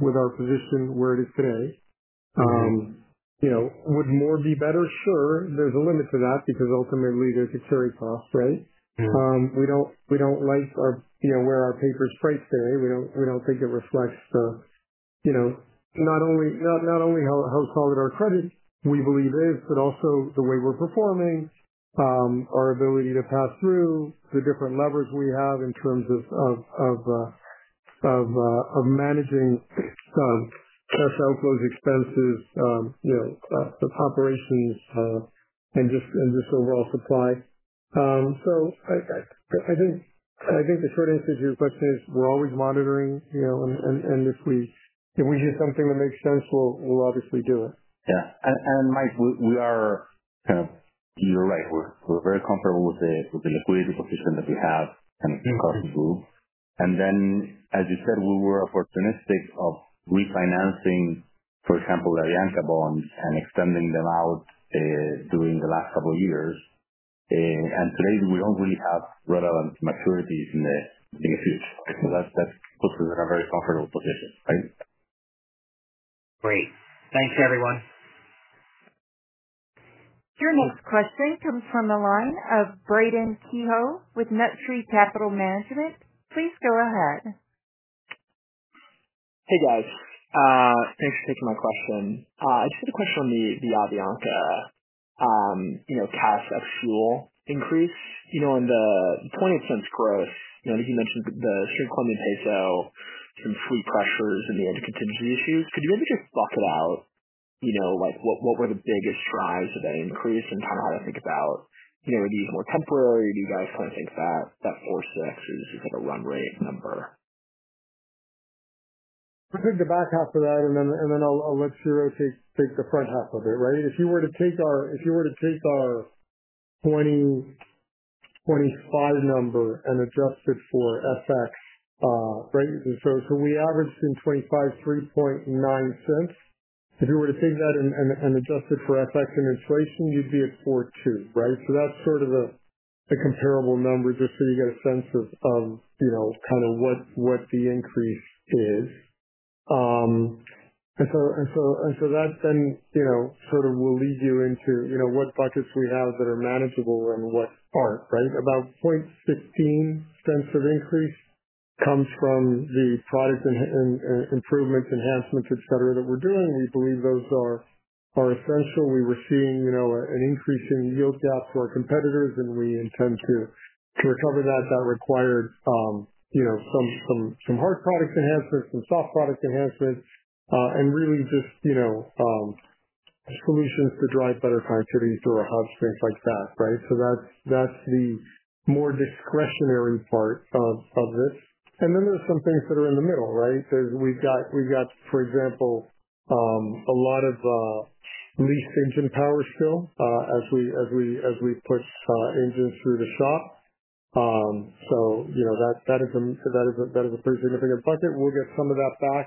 with our position where it is today. Would more be better? Sure. There's a limit to that, because ultimately there's a carry cost, right? Yeah. We don't like where our papers price today. We don't think it reflects the, not only how solid our credit we believe is, but also the way we're performing, our ability to pass through the different levers we have in terms of managing cash outflows, expenses, the operations, and just overall supply. I think the short answer is just like this. We're always monitoring, and if we see something that makes sense, we'll obviously do it. Yeah. Mike, you're right. We're very comfortable with the liquidity position that we have across the group. As you said, we were opportunistic of refinancing, for example, the Avianca bonds and extending them out during the last couple of years. Today we don't really have relevant maturities in the near future. That puts us in a very comfortable position, right? Great. Thanks, everyone. Your next question comes from the line of Braedon Kehoe with Nut Tree Capital Management. Please go ahead. Hey, guys. Thanks for taking my question. Just a question on the Avianca CASK ex-fuel increase On the 0.8 cents increase, I think you mentioned the strengthened Colombia peso, some fleet pressures, and the engine contingency issues. Could you maybe just block out what were the biggest drivers of that increase and how to think about these more temporary? Do you guys try to take that forward step to just get a run rate number? I'll take the back half of that, and then I'll let Ciro take the front half of it, right? If you were to take our 2025 number and adjust it for FX, right? We averaged in 2025, $0.039. If you were to take that and adjust it for FX and inflation, you'd be at $0.042, right? That's sort of the comparable number, just so you get a sense of what the increase is. That then sort of will lead you into what buckets we have that are manageable and what aren't, right? About $0.0016 of increase comes from the product improvement enhancements, et cetera, that we're doing. We believe those are essential. We were seeing an increase in yield gap to our competitors, and we intend to recover that. That required some hard product enhancements, some soft product enhancements, and really just solutions to drive better productivity through our hub, things like that, right? That's the more discretionary part of this. There's some things that are in the middle, right? We got, for example, a lot of leased engine power still as we put engines through the shop. That is a pretty significant bucket. We'll get some of that back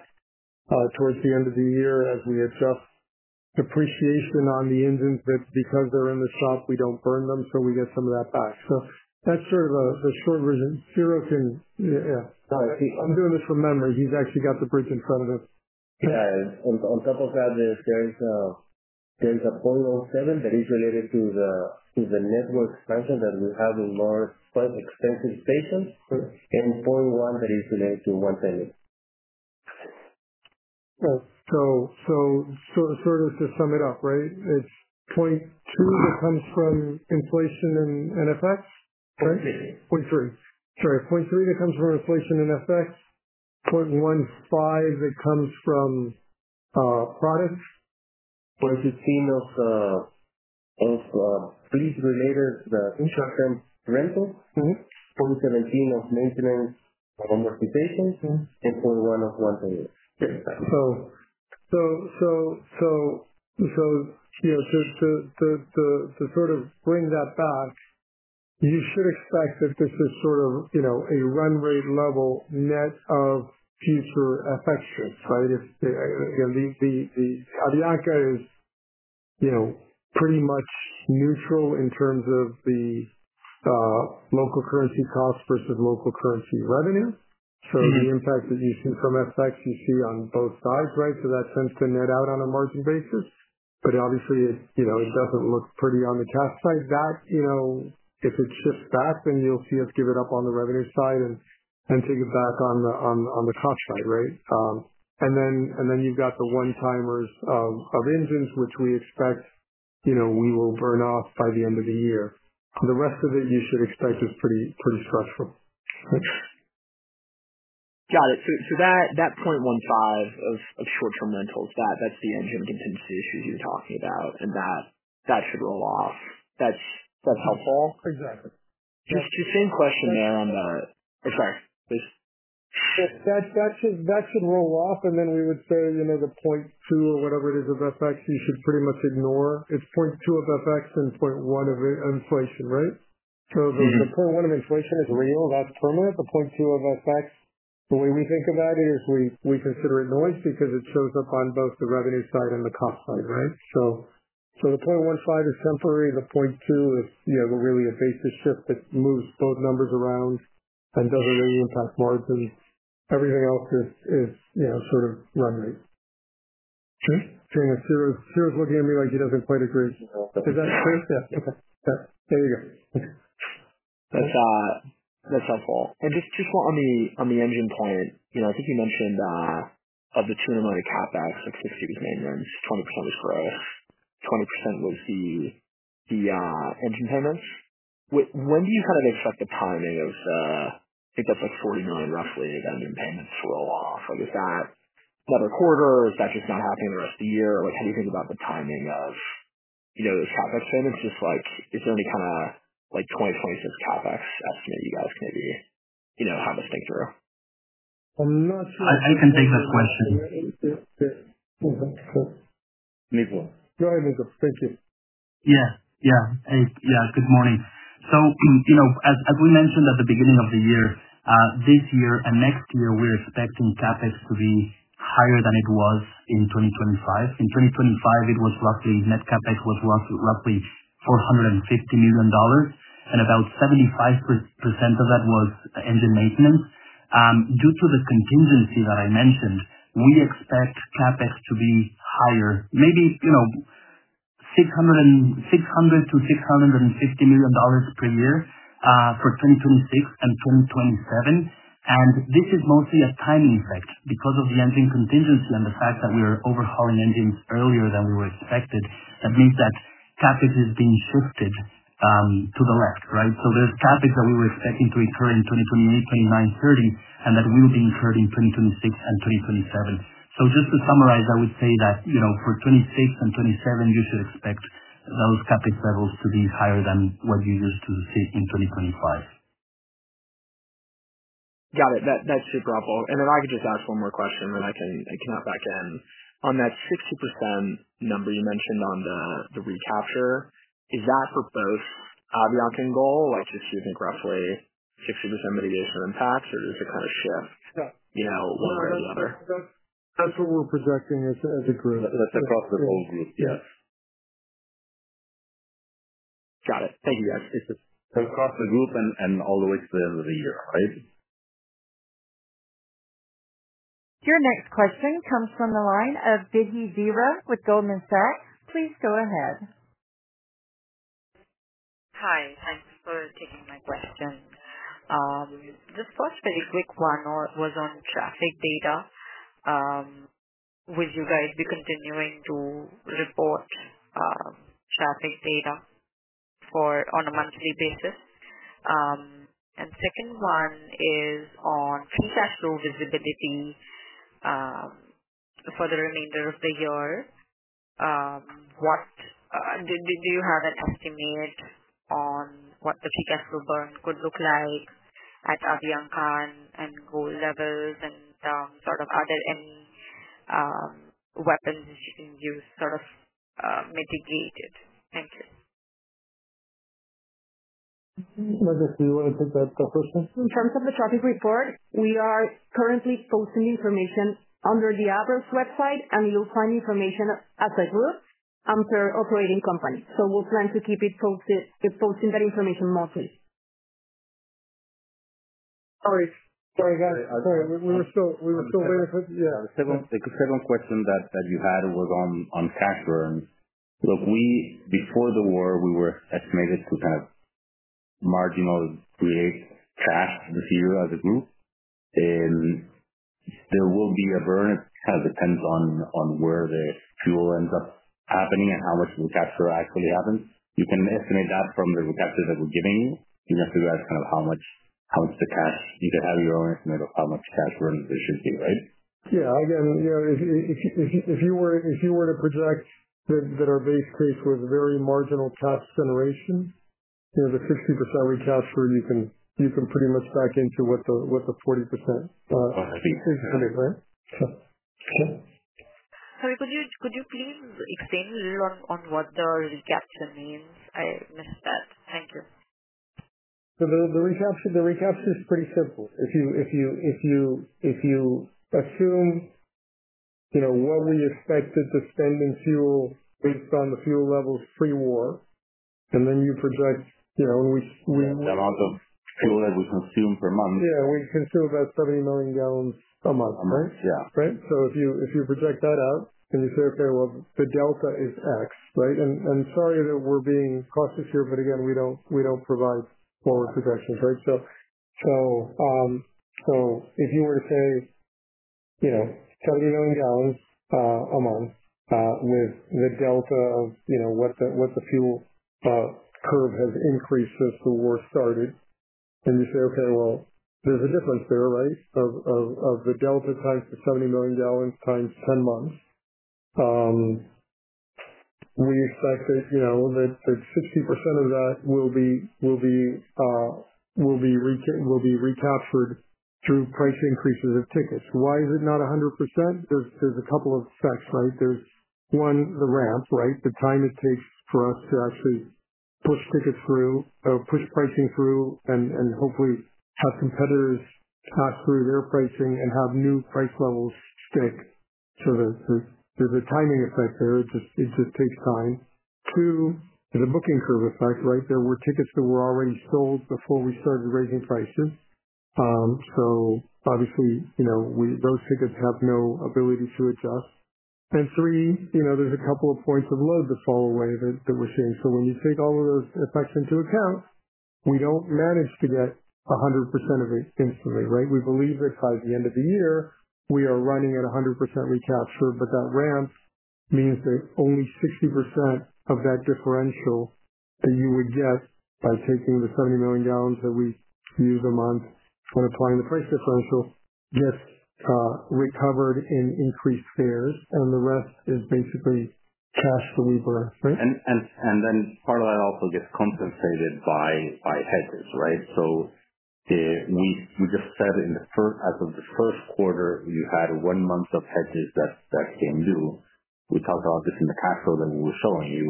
towards the end of the year as we adjust depreciation on the engines that because they're in the shop, we don't burn them, so we get some of that back. That's sort of the short version. I'm doing this from memory. He's actually got the breakdown in front of him. Yeah. On top of that, there's a 0.07 that is related to the network expansion that we have in more quite expensive stations and 0.1 that is related to one timers. Sort of to sum it up, right? It's 0.2 comes from inflation and FX. 0.3 comes from inflation and FX. 0.15 comes from products. 0.15 of lease-related short-term rentals, 0.17 of maintenance of amortization, and 0.1 of one timers. To sort of bring that back, you should expect that this is sort of a run rate level net of future FX shifts, right? The Avianca is pretty much neutral in terms of the local currency cost versus local currency revenue. The impact that you see from FX you see on both sides, right? That tends to net out on a margin basis. Obviously it doesn't look pretty on the cash side. That, if it shifts back then you'll see us give it up on the revenue side and take it back on the cost side, right? Then you've got the one-timers of engines, which we expect we will burn off by the end of the year. The rest of it you should expect is pretty structural. Got it. That 0.15 of short-term rentals, that's the engine contingency issue you're talking about, and that should roll off. That's helpful. Exactly. Just the same question then on the FX. That should roll off, and then we would say the 0.2 or whatever it is of FX you should pretty much ignore. It's 0.2 of FX and 0.1 of inflation, right? The 0.1 of inflation is real. That's permanent. The 0.2 of FX. The way we think about it is we consider it noise because it shows up on both the revenue side and the cost side, right? The 0.15 is temporary. The 0.2 is we're going to be a base of shift that moves both numbers around and doesn't really impact margins. Everything else is sort of run rate. Okay, Ciro. Ciro's looking at me like he doesn't quite agree. No. Okay. Yeah. There you go. That's helpful. just quickly on the engine point, I think you mentioned that of the $200 million CapEx, like 60% was maintenance, 20% growth, 20% was the engine payments. When do you expect I think that's like 40 million roughly of engine payments to roll off. Is that by the quarter? Is that just not happening for a year? How do you think about the timing of those CapEx payments? Just like early, kind of like 2026 CapEx estimate you guys maybe have to think through. I'm not sure. I can take that question. Yeah, that's cool. Nicolás. Go ahead, Nicolás. Thank you. Yeah. Good morning. As we mentioned at the beginning of the year, this year and next year, we are expecting CapEx to be higher than it was in 2025. In 2025, net CapEx was roughly $450 million, and about 75% of that was engine maintenance. Due to the contingency that I mentioned, we expect CapEx to be higher, maybe $600 to $650 million per year, for 2026 and 2027. This is mostly a timing effect because of the engine contingency and the fact that we are overhauling engines earlier than we expected. That means that CapEx is being shifted to the left, right? There's CapEx that we were expecting to occur in 2028, 2029, 2030, and that will be incurred in 2026 and 2027. Just to summarize, I would say that for 2026 and 2027, you should expect those CapEx levels to be higher than what you used to see in 2025. Got it. That's super helpful. I can just ask one more question when I come back in. On that 60% number you mentioned on the recapture, is that for both Avianca and GOL? Like just using roughly 60% of the CASK impact or is it kind of shift? Yeah. You know, whatever. That's what we're projecting as agreement. That's across the group. Yes. Got it. Thank you. That's across the group and all the way to the end of the year, right? Your next question comes from the line of Vidhi Veera with Goldman Sachs. Please go ahead. Hi. Thanks for taking my question. Just one very quick one was on traffic data. Will you guys be continuing to report traffic data on a monthly basis? Second one is on cash flow visibility for the remainder of the year. Did you have an estimate on what the cash flow burn could look like at Avianca and GOL levels? Are there any weapons you can use sort of mitigate it? Thank you. Can you repeat what the first part of the question was? In terms of the traffic report, we are currently posting information under the ABRA website, and you'll find information as a group and per operating company. We'll try to keep posting that information monthly. All right. Go ahead. We're still here. Yeah. The second question that you had was on cash burn. Look, before the war, we were estimated to kind of marginally create cash with fuel as a group. There will be a burn. It kind of depends on where the fuel ends up happening and how much recapture actually happens. You can estimate that from the recaptures that we're giving you can figure out how much cash burn there should be, right? Yeah. Again, if you were to project that our base case was very marginal cash generation, the 60% recapture, you can pretty much back into what the 40% should be, right? Sorry, could you please expand a little on what the recapture means? I missed that. Thank you. The recapture is pretty simple. If you assume what we expected to spend in fuel based on the fuel levels pre-war, and then you project- The amount of fuel that we consume per month. Yeah, we consume about 70 million gallons a month, right? A month, yeah. If you project that out and you say, okay, well, the delta is X, right? Sorry that we're being cautious here, but again, we don't provide forward projections, right? If you were to say 70 million gallons a month and the delta of what the fuel curve has increased since the war started, and you say, okay, well, there's a difference there, right? Of the delta times the 70 million gallons times 10 months. We expect that 60% of that will be recaptured through price increases of tickets. Why is it not 100%? There's a couple of effects, right? There's one, the ramp, right? The time it takes for us to actually push ticket through, push pricing through, and hopefully have competitors pass through their pricing and have new price levels stick. There's a timing effect there. It just takes time. Two, there's a booking curve effect, right? There were tickets that were already sold before we started raising prices. obviously, those tickets have no ability to adjust. three, there's a couple of points of load that fall away that we're seeing. when you take all of those effects into account, we don't manage to get 100% of it instantly, right? We believe that by the end of the year, we are running at 100% recapture, but that ramp means that only 60% of that differential that you would get by taking the $70 million that we lose a month and applying the price differential gets recovered in increased fares, and the rest is basically cash that we burn, right? Part of that also gets compensated by hedges, right? we just said as of the first quarter, you had one month of hedges that came due. We talked about this in the cash flow that we were showing you.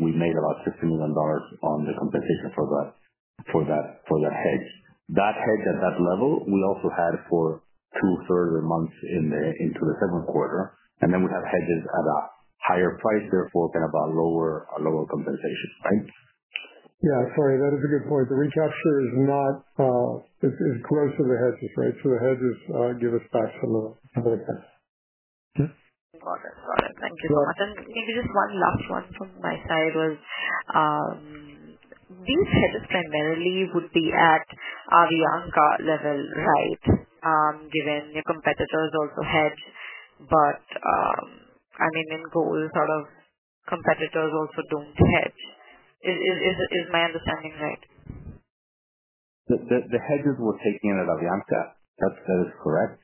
We made about $15 million on the compensation for that hedge. That hedge at that level, we also had for two further months into the second quarter, and then we have hedges at a higher price therefore can have a lower compensation, right? Yeah, sorry, that is a good point. The recapture is gross of the hedges, right? The hedges give us back some of that cash. Yeah. Got it. Thank you. maybe just one last one from my side is, these hedges primarily would be at Avianca level, right? Given your competitors also hedge, but I think in GOL's sort of competitors also don't hedge. Is my understanding right? The hedges were taken at Avianca. That is correct.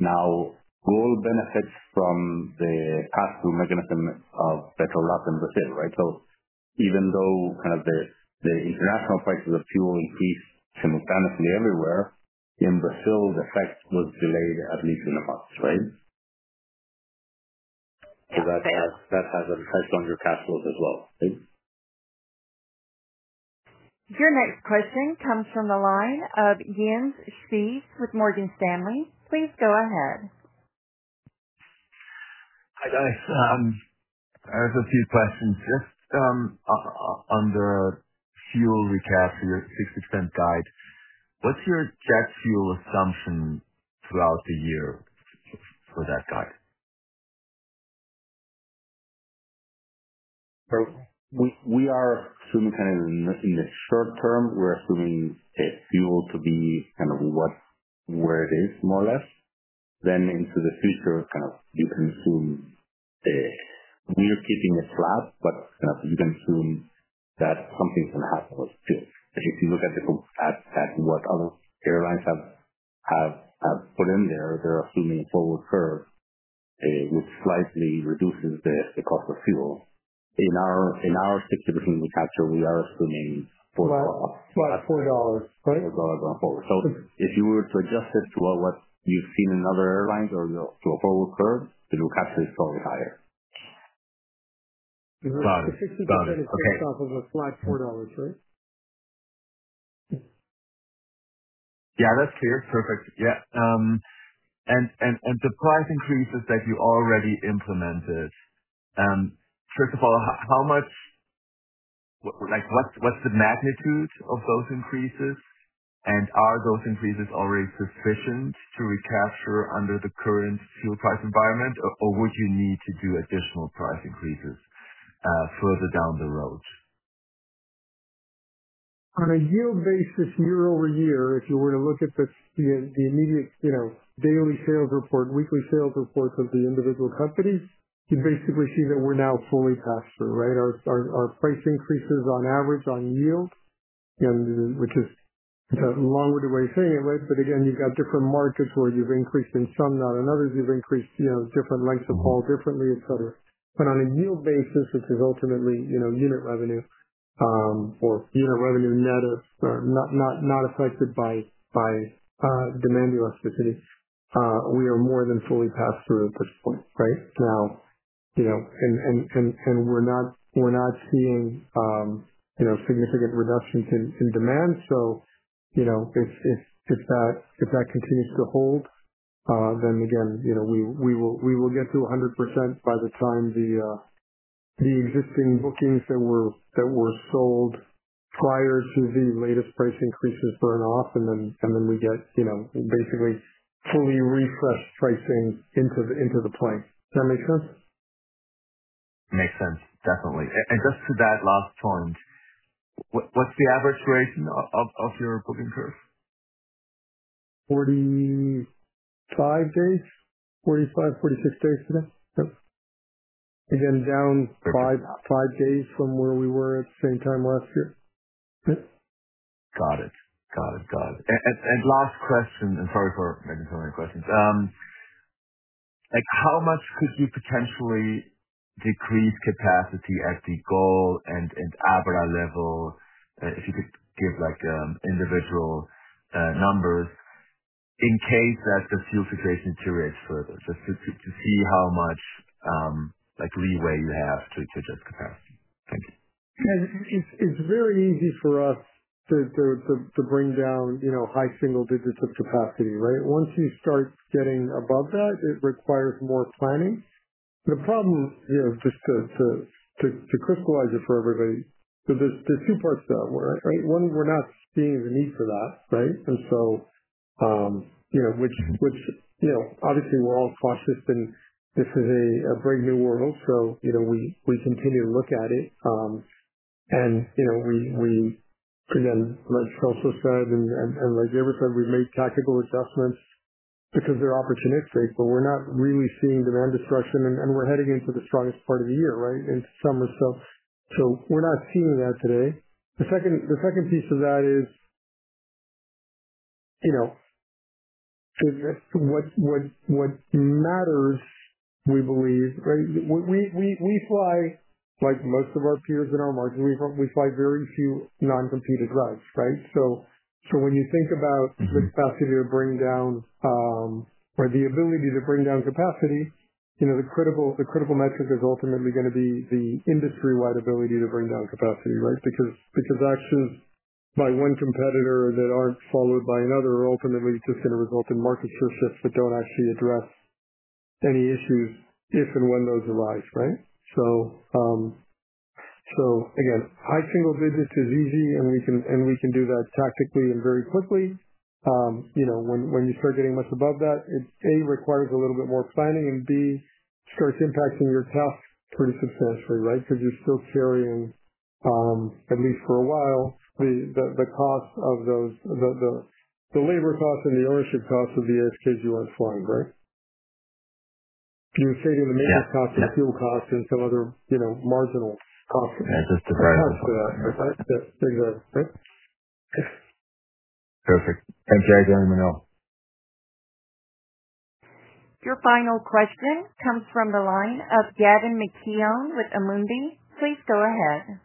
Now GOL benefits from the cash flow mechanism of the collateral in Brazil, right? Even though the international prices of fuel increased mechanically everywhere, in Brazil, the effect was delayed at least in the past, right? That has an effect on your cash flows as well. Your next question comes from the line of Jens Spiess with Morgan Stanley. Please go ahead. Hi guys. I have a few questions. Just on the fuel recapture, 60% guide. What's your jet fuel assumption throughout the year for that guide? We are assuming in the short term, we're assuming fuel to be what it is, more or less. Into the future, you can assume we are keeping it flat, but you can assume that something can happen. If you look at what other airlines have put in there, they're assuming a forward curve, which slightly reduces the cost of fuel. In our 60% recapture, we are assuming- Flat $4, right? $4 on forward. If you were to adjust it to what you've seen in other airlines or to a forward curve, the recapture is probably higher. Got it. Okay. 60% is based off of a flat $4, right? Yeah, that's clear. Perfect. Yeah. The price increases that you already implemented, first of all, what's the magnitude of those increases? Are those increases already sufficient to recapture under the current fuel price environment, or would you need to do additional price increases further down the road? On a yield basis year over year, if you were to look at the immediate daily sales report, weekly sales reports of the individual companies, you basically see that we're now fully captured, right? Our price increases on average on yield, which is a long-winded way of saying it, right? Again, you got different markets where you've increased in some, not in others. You've increased different lengths of haul differently and so on. On a yield basis, which is ultimately unit revenue or unit revenue net of, not affected by demand elasticity, we are more than fully captured at this point right now. We're not seeing significant reductions in demand. If that continues to hold, then again, we will get to 100% by the time the existing bookings that were sold prior to the latest price increases burn off, and then we get basically fully refreshed pricing into the plane. Does that make sense? Makes sense, definitely. Just to that last point, what's the average duration of your booking curve? 45 days. 45, 46 days now. Yep. Again, down five days from where we were at the same time last year. Yep. Got it. Last question, and sorry for making so many questions. How much could you potentially decrease capacity at GOL and Avianca level, if you could give individual numbers, in case that the fuel situation deteriorates further, just to see how much leeway you have to adjust capacity. Thank you. It's very easy for us to bring down high single digits of capacity, right? Once you start getting above that, it requires more planning. The problem, just to crystallize it for everybody. There's two parts to that, right? One, we're not seeing the need for that, right? Which obviously we're all conscious, and this is a very new world, so, we continue to look at it. Again, like Celso said, and like Gabriel said, we make tactical adjustments because they're opportunistic, but we're not really seeing demand destruction, and we're heading into the strongest part of the year, right? In summer. We're not seeing that today. The second piece of that is what matters, we believe, right? We fly like most of our peers in our market, we fly very few non-competed routes, right? When you think about the capacity to bring down or the ability to bring down capacity, the critical metric is ultimately going to be the industry-wide ability to bring down capacity, right. Actions by one competitor that aren't followed by another are ultimately just going to result in market shifts that don't actually address any issues if and when those arise, right. Again, high single digits is easy, and we can do that tactically and very quickly. When you start getting much above that, it A, requires a little bit more planning, and B, starts impacting your costs pretty substantially, right. You're still carrying, at least for a while, the labor cost and the ownership cost of the aircraft you went flying, right. You're taking the maintenance costs, the fuel costs, and some other marginal costs. That's just perfect. Right. Perfect. Okay. Thanks, again. Your final question comes from the line of Gavin McKeown with Amundi. Please go ahead.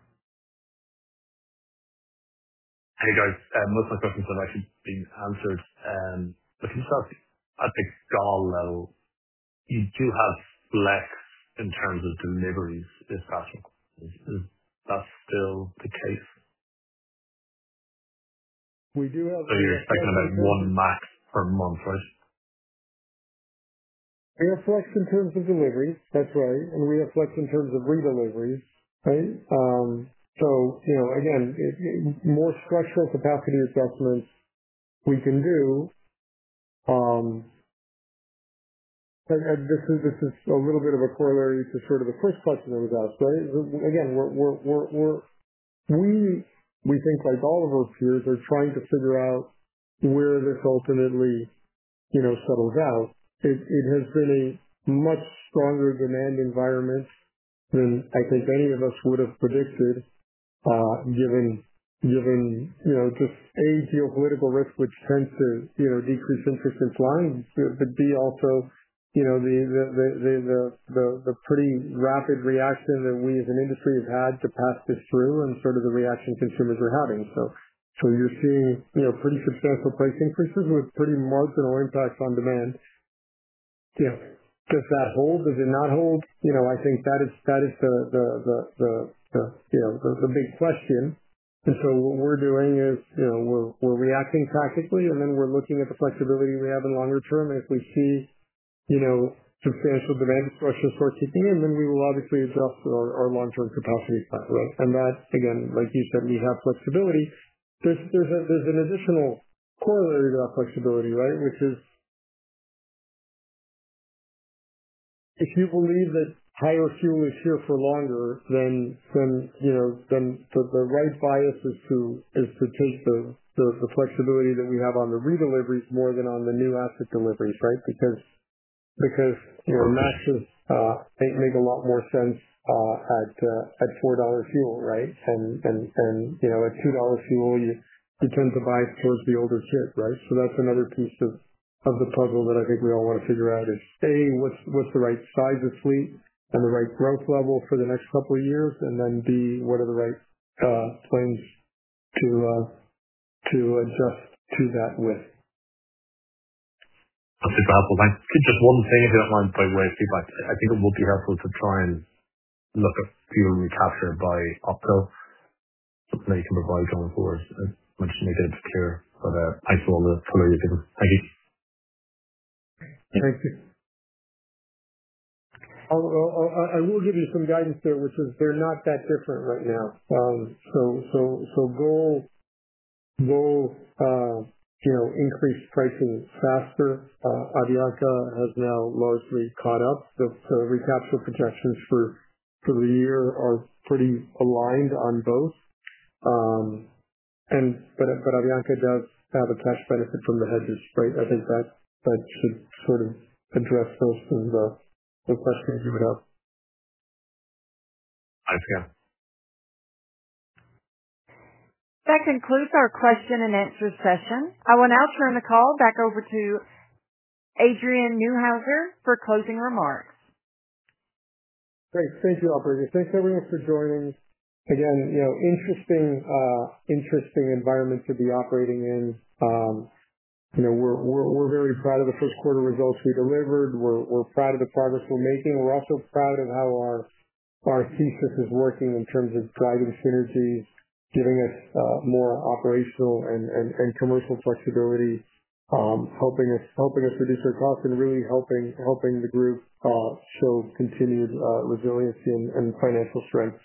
Hey, guys. Most of the questions have actually been answered. I just want to ask, at the GOL level, you do have flex in terms of deliveries, is that still the case? We do have flex. I guess like one MAX per month, right? We have flex in terms of deliveries, that's right. We have flex in terms of redeliveries, right? Again, more structural capacity adjustments we can do. This is just a little bit of a corollary to sort of the first question that was asked, right? Again, we think like all of our peers are trying to figure out where this ultimately settles out. It has been a much stronger demand environment than I think any of us would have predicted, given just A, geopolitical risk, which tends to decrease interest in flying. B, also the pretty rapid reaction that we as an industry have had to pass this through and sort of the reaction consumers are having. You're seeing pretty substantial price increases with pretty marginal impacts on demand. Does that hold? Does it not hold? I think that is the big question. what we're doing is we're reacting tactically, and then we're looking at the flexibility we have in the longer term. If we see substantial demand destruction persisting, then we will obviously adjust our long-term capacity accordingly. That, again, like you said, we have flexibility. There's an additional corollary to our flexibility, right? Which is, if you believe that higher fuel is here for longer, then the right bias is to tilt the flexibility that we have on the redeliveries more than on the new asset deliveries, right? Okay. Because MAXes make a lot more sense at $4 fuel, right? at $2 fuel, you tend to bias towards the older fleet, right? that's another piece of the puzzle that I think we all want to figure out is A, what's the right size of fleet and the right growth level for the next couple of years? then B, what are the right planes to adjust to that with? That's a good one. Just one thing if you don't mind, by the way. I think it will be helpful to try and look at fuel recapture by OpCo going forward, which they're going to prepare for the high fuel and the corollary you've given. Thank you. I will give you some guidance there, which is they're not that different right now. both increased pricing is faster. Avianca has now largely caught up. recapture projections for the year are pretty aligned on both. Avianca does have cash benefits from the hedges, right? I think that should sort of address most of the questions you have. Okay. That concludes our question and answer session. I will now turn the call back over to Adrian Neuhauser for closing remarks. Great. Thank you, operator. Thanks, everyone, for joining. Again, interesting environment to be operating in. We're very proud of the first quarter results we delivered. We're proud of the progress we're making. We're also proud of how our C-suite is working in terms of driving synergies, giving us more operational and commercial flexibility, helping us reduce our costs and really helping the group show continued resiliency and financial strength.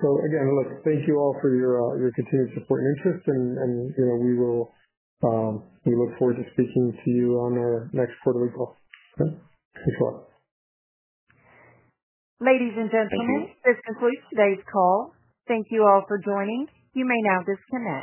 Again, look, thank you all for your continued support and interest, and we look forward to speaking to you on our next quarter results. Take care. Ladies and gentlemen. This concludes today's call. Thank you all for joining. You may now disconnect.